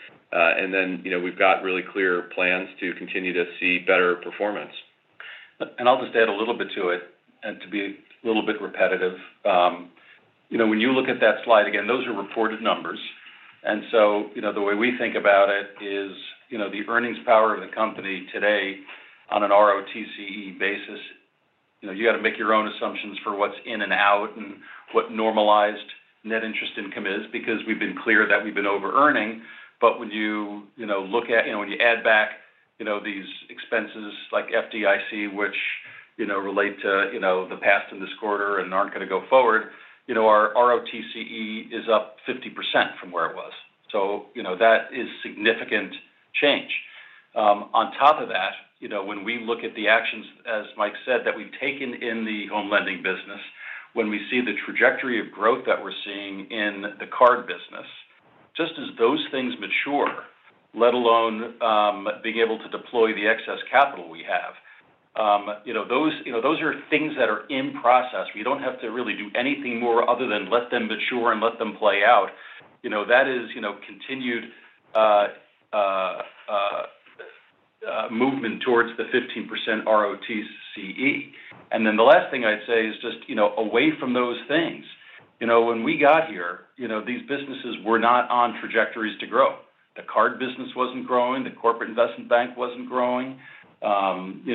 then, you know, we've got really clear plans to continue to see better performance. And I'll just add a little bit to it and to be a little bit repetitive. You know, when you look at that slide, again, those are reported numbers. And so, you know, the way we think about it is, you know, the earnings power of the company today on an ROTCE basis, you know, you got to make your own assumptions for what's in and out and what normalized net interest income is, because we've been clear that we've been over-earning. But when you, you know, look at, you know, when you add back, you know, these expenses like FDIC, which, you know, relate to, you know, the past in this quarter and aren't going to go forward, you know, our ROTCE is up 50% from where it was. So, you know, that is significant change. On top of that, you know, when we look at the actions, as Mike said, that we've taken in the home lending business, when we see the trajectory of growth that we're seeing in the card business. Just as those things mature, let alone, being able to deploy the excess capital we have, you know, those, you know, those are things that are in process. We don't have to really do anything more other than let them mature and let them play out. You know, that is, you know, continued movement towards the 15% ROTCE. And then the last thing I'd say is just, you know, away from those things, you know, when we got here, you know, these businesses were not on trajectories to grow. The card business wasn't growing, the corporate investment bank wasn't growing. You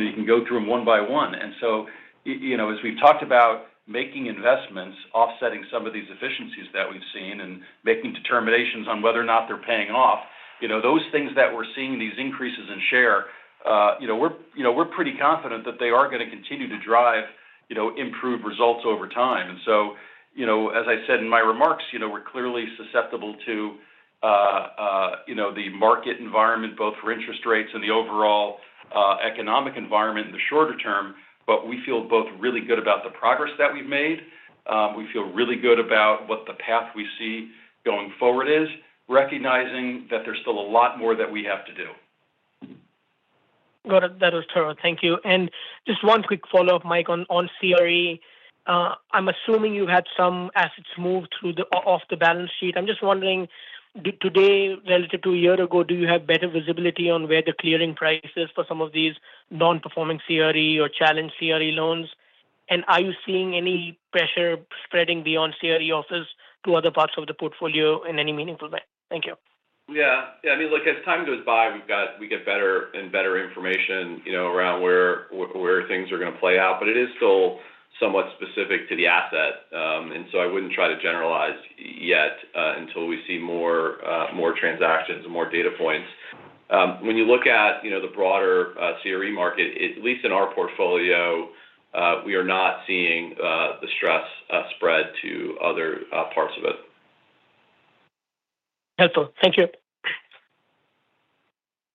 know, you can go through them one by one. And so, you know, as we've talked about making investments, offsetting some of these efficiencies that we've seen and making determinations on whether or not they're paying off, you know, those things that we're seeing, these increases in share, you know, we're, you know, we're pretty confident that they are going to continue to drive, you know, improved results over time. And so, you know, as I said in my remarks, you know, we're clearly susceptible to, you know, the market environment, both for interest rates and the overall, economic environment in the shorter term. But we feel both really good about the progress that we've made. We feel really good about what the path we see going forward is, recognizing that there's still a lot more that we have to do.... Got it. That was thorough. Thank you. And just one quick follow-up, Mike, on CRE. I'm assuming you had some assets moved off the balance sheet. I'm just wondering, today, relative to a year ago, do you have better visibility on where the clearing price is for some of these non-performing CRE or challenged CRE loans? And are you seeing any pressure spreading beyond CRE office to other parts of the portfolio in any meaningful way? Thank you. Yeah. Yeah, I mean, look, as time goes by, we get better and better information, you know, around where things are going to play out. But it is still somewhat specific to the asset. And so I wouldn't try to generalize yet, until we see more transactions and more data points. When you look at, you know, the broader CRE market, at least in our portfolio, we are not seeing the stress spread to other parts of it. Helpful. Thank you.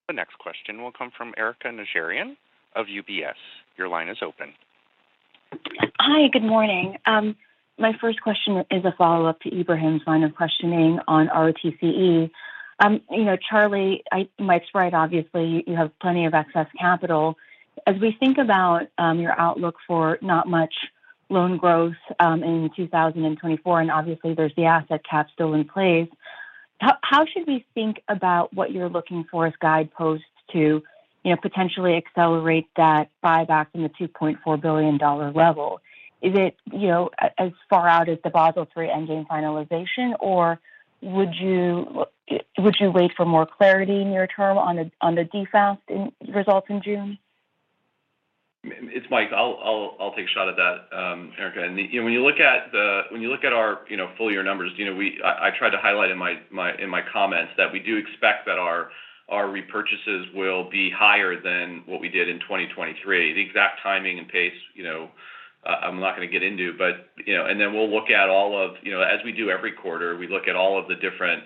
The next question will come from Erika Najarian of UBS. Your line is open. Hi, good morning. My first question is a follow-up to Ibrahim's line of questioning on ROTCE. You know, Charlie, Mike's right, obviously, you have plenty of excess capital. As we think about your outlook for not much loan growth in 2024, and obviously there's the asset cap still in place, how should we think about what you're looking for as guideposts to, you know, potentially accelerate that buyback in the $2.4 billion level? Is it, you know, as far out as the Basel III endgame finalization, or would you wait for more clarity near term on the DFAST results in June? It's Mike. I'll take a shot at that, Erika. And, you know, when you look at the—when you look at our, you know, full year numbers, you know, we... I tried to highlight in my comments that we do expect that our repurchases will be higher than what we did in 2023. The exact timing and pace, you know, I'm not going to get into, but, you know... And then we'll look at all of, you know, as we do every quarter, we look at all of the different,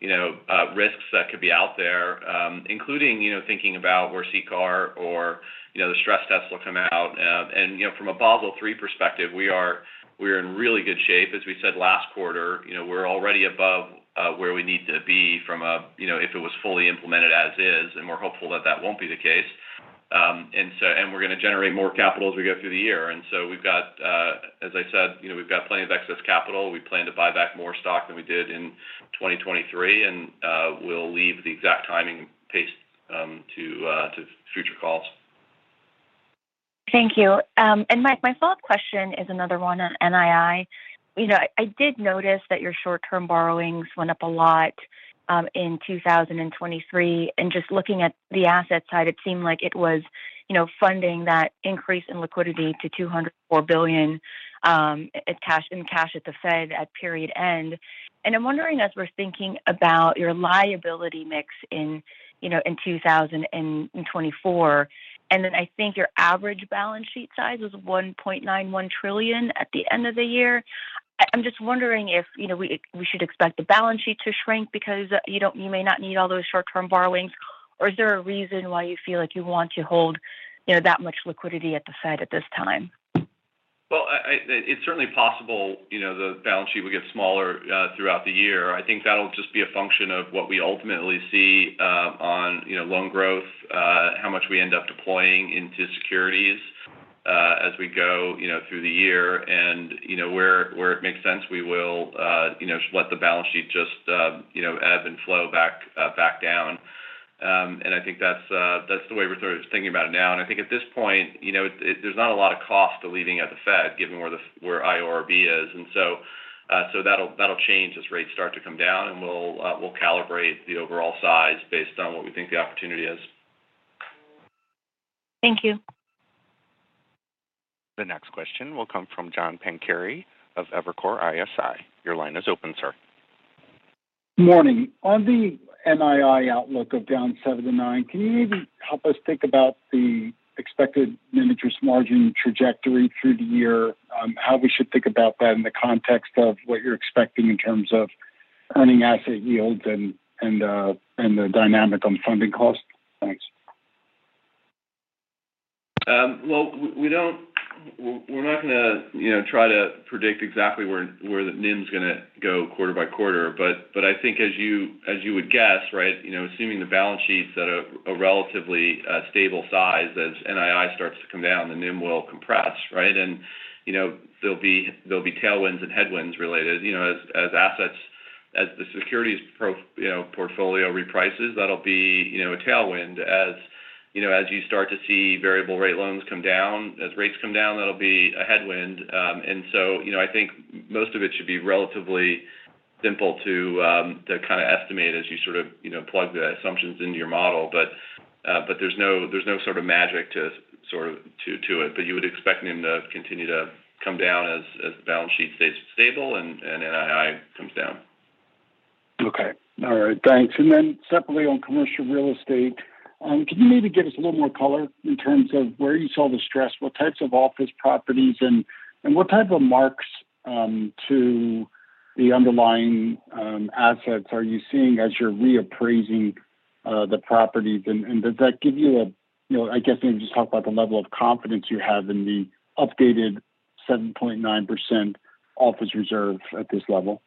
you know, risks that could be out there, including, you know, thinking about where CCAR or, you know, the stress tests will come out. And, you know, from a Basel III perspective, we're in really good shape. As we said last quarter, you know, we're already above where we need to be from a, you know, if it was fully implemented as is, and we're hopeful that that won't be the case. And so, we're going to generate more capital as we go through the year. And so we've got, as I said, you know, we've got plenty of excess capital. We plan to buy back more stock than we did in 2023, and we'll leave the exact timing and pace to future calls. Thank you. And Mike, my follow-up question is another one on NII. You know, I did notice that your short-term borrowings went up a lot in 2023, and just looking at the asset side, it seemed like it was, you know, funding that increase in liquidity to $204 billion and cash at the Fed at period end. And I'm wondering, as we're thinking about your liability mix in, you know, in 2024, and then I think your average balance sheet size was $1.91 trillion at the end of the year. I'm just wondering if, you know, we, we should expect the balance sheet to shrink because you don't, you may not need all those short-term borrowings, or is there a reason why you feel like you want to hold, you know, that much liquidity at the Fed at this time? Well, it's certainly possible, you know, the balance sheet will get smaller throughout the year. I think that'll just be a function of what we ultimately see on loan growth, how much we end up deploying into securities as we go through the year. And where it makes sense, we will let the balance sheet just ebb and flow back down. And I think that's the way we're sort of thinking about it now. And I think at this point, there's not a lot of cost to leaving at the Fed, given where the IORB is. And so, that'll change as rates start to come down, and we'll calibrate the overall size based on what we think the opportunity is. Thank you. The next question will come from John Pancari of Evercore ISI. Your line is open, sir. Morning. On the NII outlook of down 7-9, can you maybe help us think about the expected net interest margin trajectory through the year? How we should think about that in the context of what you're expecting in terms of earning asset yields and the dynamic on funding costs? Thanks. Well, we're not gonna, you know, try to predict exactly where the NIM is gonna go quarter by quarter. But I think as you would guess, right, you know, assuming the balance sheets at a relatively stable size, as NII starts to come down, the NIM will compress, right? And, you know, there'll be tailwinds and headwinds related. You know, as assets, as the securities portfolio reprices, that'll be, you know, a tailwind. As, you know, as you start to see variable rate loans come down, as rates come down, that'll be a headwind. And so, you know, I think most of it should be relatively simple to kind of estimate as you sort of, you know, plug the assumptions into your model. But there's no sort of magic to sort of to it. But you would expect NIM to continue to come down as the balance sheet stays stable and NII comes down. Okay. All right. Thanks. And then separately, on commercial real estate, can you maybe give us a little more color in terms of where you saw the stress, what types of office properties and what type of marks to the underlying assets are you seeing as you're reappraising the properties? And does that give you a, you know, I guess maybe just talk about the level of confidence you have in the updated 7.9% office reserve at this level? ...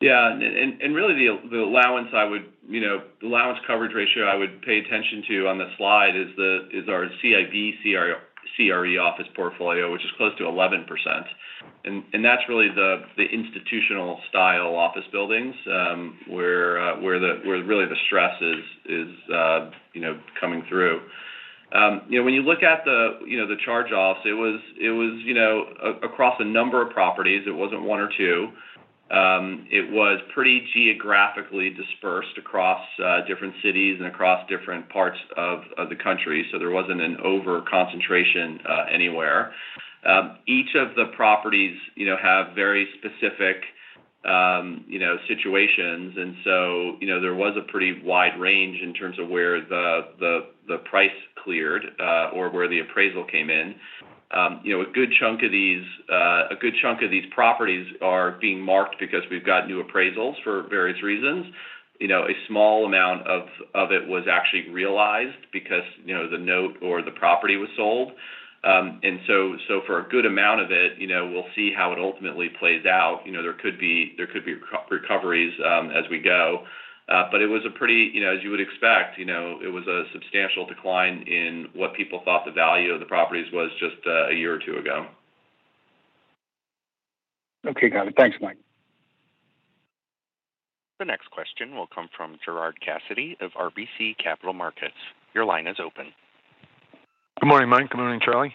Yeah, really the allowance I would, you know, the allowance coverage ratio I would pay attention to on the slide is our CIB CRE office portfolio, which is close to 11%. And that's really the institutional style office buildings where really the stress is, you know, coming through. You know, when you look at the charge-offs, it was, you know, across a number of properties. It wasn't one or two. It was pretty geographically dispersed across different cities and across different parts of the country, so there wasn't an over-concentration anywhere. Each of the properties, you know, have very specific, you know, situations. So, you know, there was a pretty wide range in terms of where the price cleared or where the appraisal came in. You know, a good chunk of these properties are being marked because we've got new appraisals for various reasons. You know, a small amount of it was actually realized because, you know, the note or the property was sold. So for a good amount of it, you know, we'll see how it ultimately plays out. You know, there could be recoveries as we go. But it was a pretty... You know, as you would expect, you know, it was a substantial decline in what people thought the value of the properties was just a year or two ago. Okay, got it. Thanks, Mike. The next question will come from Gerard Cassidy of RBC Capital Markets. Your line is open. Good morning, Mike. Good morning, Charlie.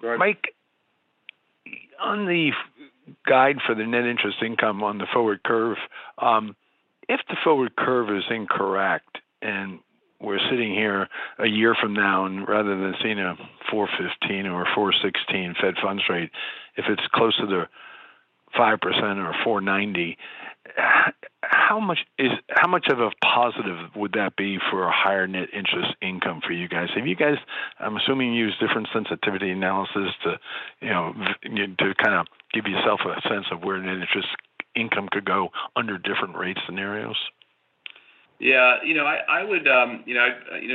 Good morning. Mike, on the guide for the net interest income on the forward curve, if the forward curve is incorrect, and we're sitting here a year from now, and rather than seeing a 4.15% or a 4.16% Fed funds rate, if it's closer to 5% or 4.90%, how much of a positive would that be for a higher net interest income for you guys? Have you guys... I'm assuming you use different sensitivity analysis to, you know, to kind of give yourself a sense of where the interest income could go under different rate scenarios. Yeah, you know, I would, you know,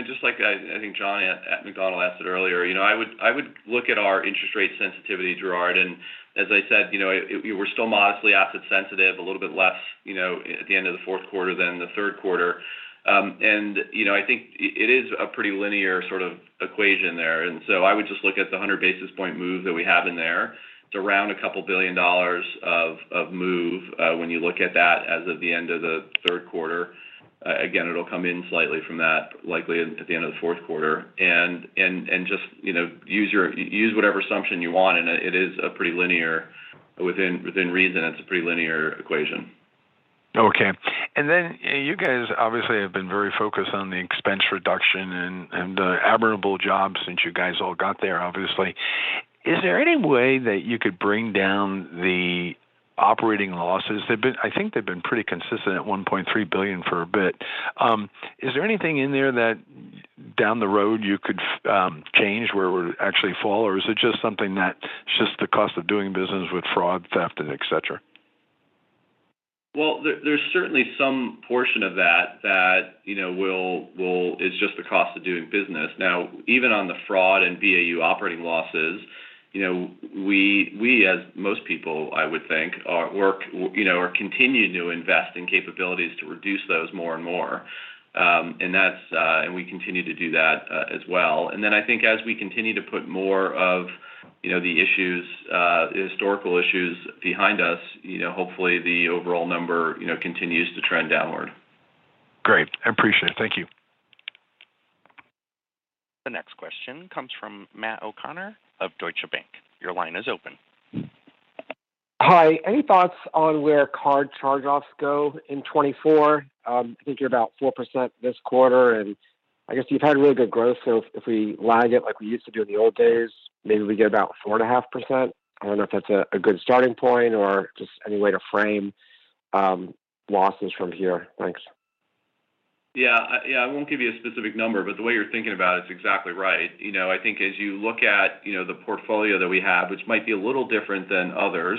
just like I think John McDonald asked it earlier, you know, I would look at our interest rate sensitivity, Gerard. And as I said, you know, it, we're still modestly asset sensitive, a little bit less, you know, at the end of the fourth quarter than the third quarter. And, you know, I think it is a pretty linear sort of equation there. And so I would just look at the 100 basis point move that we have in there. It's around $2 billion of move when you look at that as of the end of the third quarter. Again, it'll come in slightly from that, likely at the end of the fourth quarter. And just, you know, use whatever assumption you want, and it is a pretty linear equation within reason. Okay. And then you guys obviously have been very focused on the expense reduction and, and the admirable job since you guys all got there, obviously. Is there any way that you could bring down the operating losses? They've been—I think they've been pretty consistent at $1.3 billion for a bit. Is there anything in there that down the road you could change, where it would actually fall, or is it just something that's just the cost of doing business with fraud, theft, and et cetera? Well, there's certainly some portion of that that, you know, will. It's just the cost of doing business. Now, even on the fraud and BAU operating losses, you know, we as most people I would think are, you know, continuing to invest in capabilities to reduce those more and more. And that's... And we continue to do that as well. And then I think as we continue to put more of, you know, the issues, the historical issues behind us, you know, hopefully the overall number, you know, continues to trend downward. Great. I appreciate it. Thank you. The next question comes from Matt O'Connor of Deutsche Bank. Your line is open. Hi. Any thoughts on where card charge-offs go in 2024? I think you're about 4% this quarter, and I guess you've had really good growth. So if we lag it like we used to do in the old days, maybe we get about 4.5%. I don't know if that's a good starting point or just any way to frame losses from here. Thanks. Yeah, yeah, I won't give you a specific number, but the way you're thinking about it is exactly right. You know, I think as you look at, you know, the portfolio that we have, which might be a little different than others,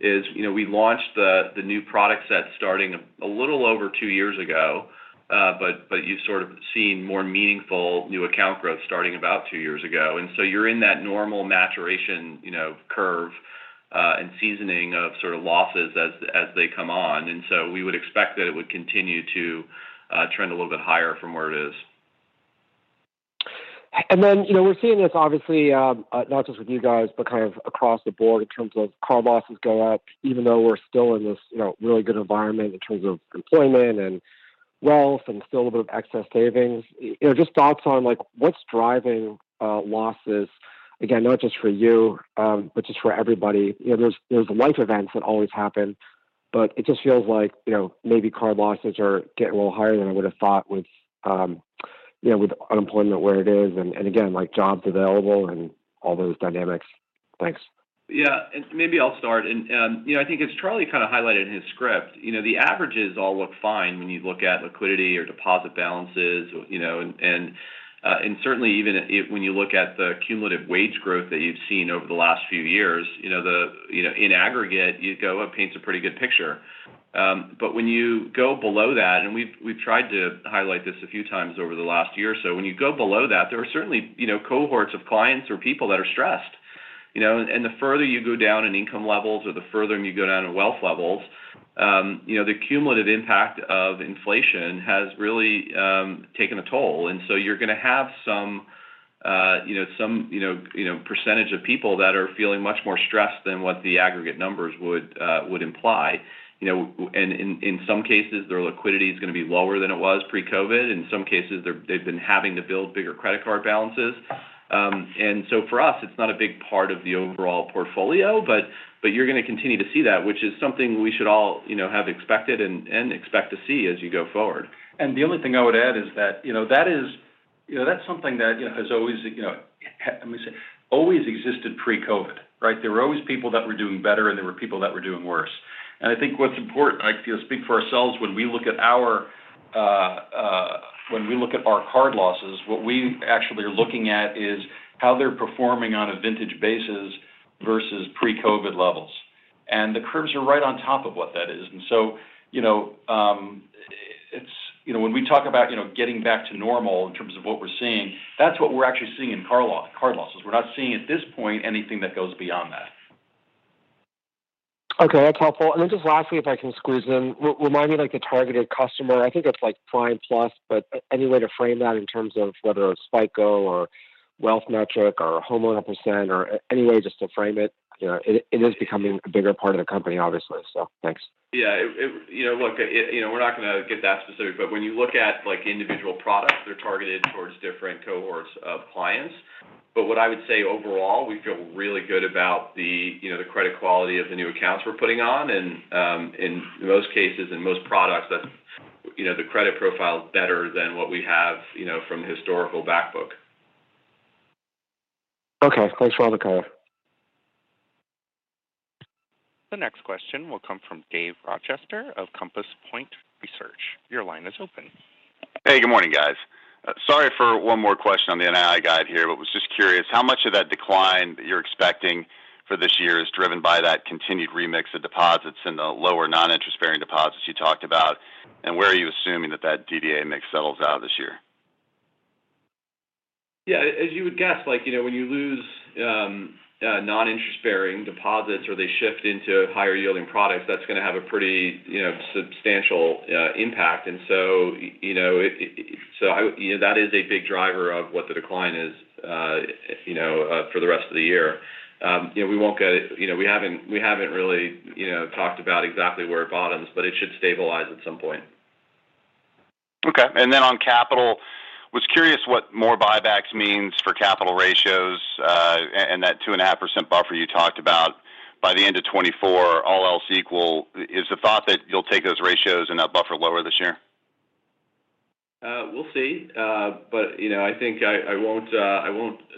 is, you know, we launched the new product set starting a little over two years ago. But you've sort of seen more meaningful new account growth starting about two years ago. And so you're in that normal maturation, you know, curve, and seasoning of sort of losses as they come on. And so we would expect that it would continue to trend a little bit higher from where it is. And then, you know, we're seeing this obviously, not just with you guys, but kind of across the board in terms of card losses go up, even though we're still in this, you know, really good environment in terms of employment and wealth and still a bit of excess savings. You know, just thoughts on, like, what's driving losses? Again, not just for you, but just for everybody. You know, there's life events that always happen, but it just feels like, you know, maybe card losses are getting a little higher than I would've thought with, you know, with unemployment where it is, and again, like, jobs available and all those dynamics. Thanks. Yeah, and maybe I'll start. You know, I think as Charlie kind of highlighted in his script, you know, the averages all look fine when you look at liquidity or deposit balances or, you know, and certainly even if, when you look at the cumulative wage growth that you've seen over the last few years, you know, in aggregate, you'd go, "Well, it paints a pretty good picture." But when you go below that, and we've tried to highlight this a few times over the last year or so. When you go below that, there are certainly, you know, cohorts of clients or people that are stressed. You know, and the further you go down in income levels or the further you go down in wealth levels, the cumulative impact of inflation has really taken a toll. And so you're gonna have some, you know, some, you know, you know, percentage of people that are feeling much more stressed than what the aggregate numbers would imply. You know, and in some cases, their liquidity is gonna be lower than it was pre-COVID. In some cases, they're—they've been having to build bigger credit card balances. And so for us, it's not a big part of the overall portfolio, but you're gonna continue to see that, which is something we should all, you know, have expected and expect to see as you go forward. And the only thing I would add is that, you know, that is, you know, that's something that, you know, has always, you know, let me say, always existed pre-COVID, right? There were always people that were doing better, and there were people that were doing worse. I think what's important, I can speak for ourselves when we look at our card losses, what we actually are looking at is how they're performing on a vintage basis versus pre-COVID levels. The curves are right on top of what that is. So, you know, it's, you know, when we talk about, you know, getting back to normal in terms of what we're seeing, that's what we're actually seeing in card losses. We're not seeing at this point anything that goes beyond that. Okay, that's helpful. And then just lastly, if I can squeeze in, remind me, like, the targeted customer. I think it's like Prime Plus, but any way to frame that in terms of whether a FICO or wealth metric or homeowner percent or any way just to frame it? You know, it, it is becoming a bigger part of the company, obviously. So, thanks. Yeah, you know, look, we're not gonna get that specific. But when you look at, like, individual products, they're targeted towards different cohorts of clients. But what I would say, overall, we feel really good about the, you know, the credit quality of the new accounts we're putting on. And in most cases, in most products, the, you know, the credit profile is better than what we have, you know, from historical backbook. Okay. Thanks for all the call. The next question will come from Dave Rochester of Compass Point Research. Your line is open. Hey, good morning, guys. Sorry for one more question on the NII guide here, but was just curious, how much of that decline that you're expecting for this year is driven by that continued remix of deposits and the lower non-interest-bearing deposits you talked about? And where are you assuming that that DDA mix settles out this year? Yeah, as you would guess, like, you know, when you lose non-interest-bearing deposits or they shift into higher-yielding products, that's gonna have a pretty, you know, substantial impact. And so, you know, that is a big driver of what the decline is, you know, for the rest of the year. You know, we haven't really, you know, talked about exactly where it bottoms, but it should stabilize at some point. Okay. And then on capital, was curious what more buybacks means for capital ratios, and that 2.5% buffer you talked about by the end of 2024, all else equal. Is the thought that you'll take those ratios and that buffer lower this year? We'll see. But, you know, I think I won't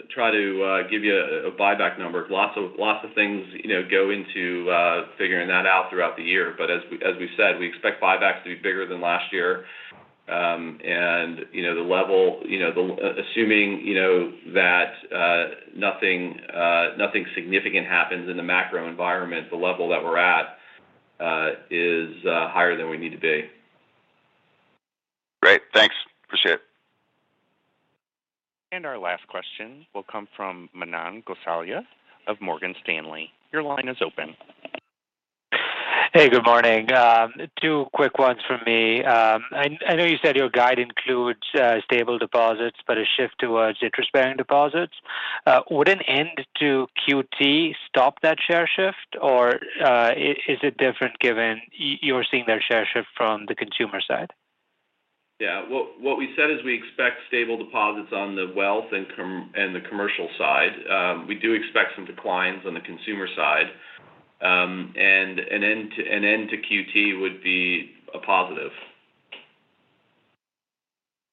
try to give you a buyback number. Lots of things, you know, go into figuring that out throughout the year. But as we said, we expect buybacks to be bigger than last year. And, you know, the level, you know, the, assuming, you know, that nothing significant happens in the macro environment, the level that we're at is higher than we need to be. Great, thanks. Appreciate it. Our last question will come from Manan Gosalia of Morgan Stanley. Your line is open. Hey, good morning. Two quick ones from me. I know you said your guide includes stable deposits, but a shift towards interest-bearing deposits. Would an end to QT stop that share shift, or is it different given you're seeing that share shift from the consumer side? Yeah, what we said is we expect stable deposits on the wealth and commercial side. We do expect some declines on the consumer side. And an end to QT would be a positive.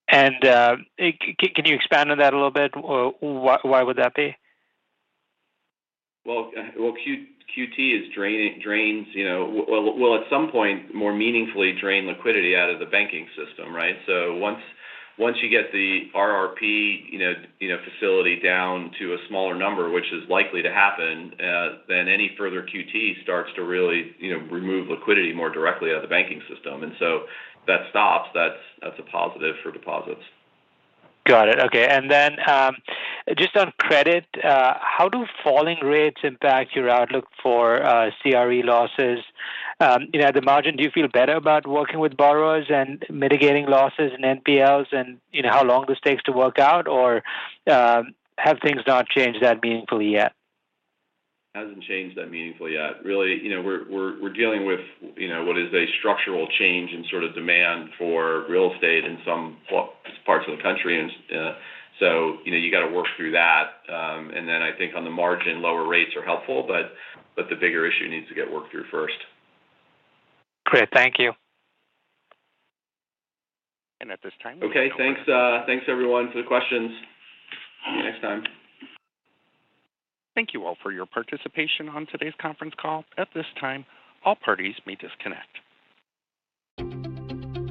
And, can you expand on that a little bit? Why would that be? Well, QT drains, you know... Well, at some point, more meaningfully drain liquidity out of the banking system, right? So once you get the RRP, you know, facility down to a smaller number, which is likely to happen, then any further QT starts to really, you know, remove liquidity more directly out of the banking system. And so that stops, that's a positive for deposits. Got it. Okay. And then, just on credit, how do falling rates impact your outlook for CRE losses? You know, at the margin, do you feel better about working with borrowers and mitigating losses and NPLs, and you know, how long this takes to work out? Or, have things not changed that meaningfully yet? Hasn't changed that meaningfully yet. Really, you know, we're dealing with, you know, what is a structural change in sort of demand for real estate in some parts of the country. And, so, you know, you got to work through that. And then I think on the margin, lower rates are helpful, but, but the bigger issue needs to get worked through first. Great. Thank you. At this time- Okay, thanks, everyone, for the questions. See you next time. Thank you all for your participation on today's conference call. At this time, all parties may disconnect.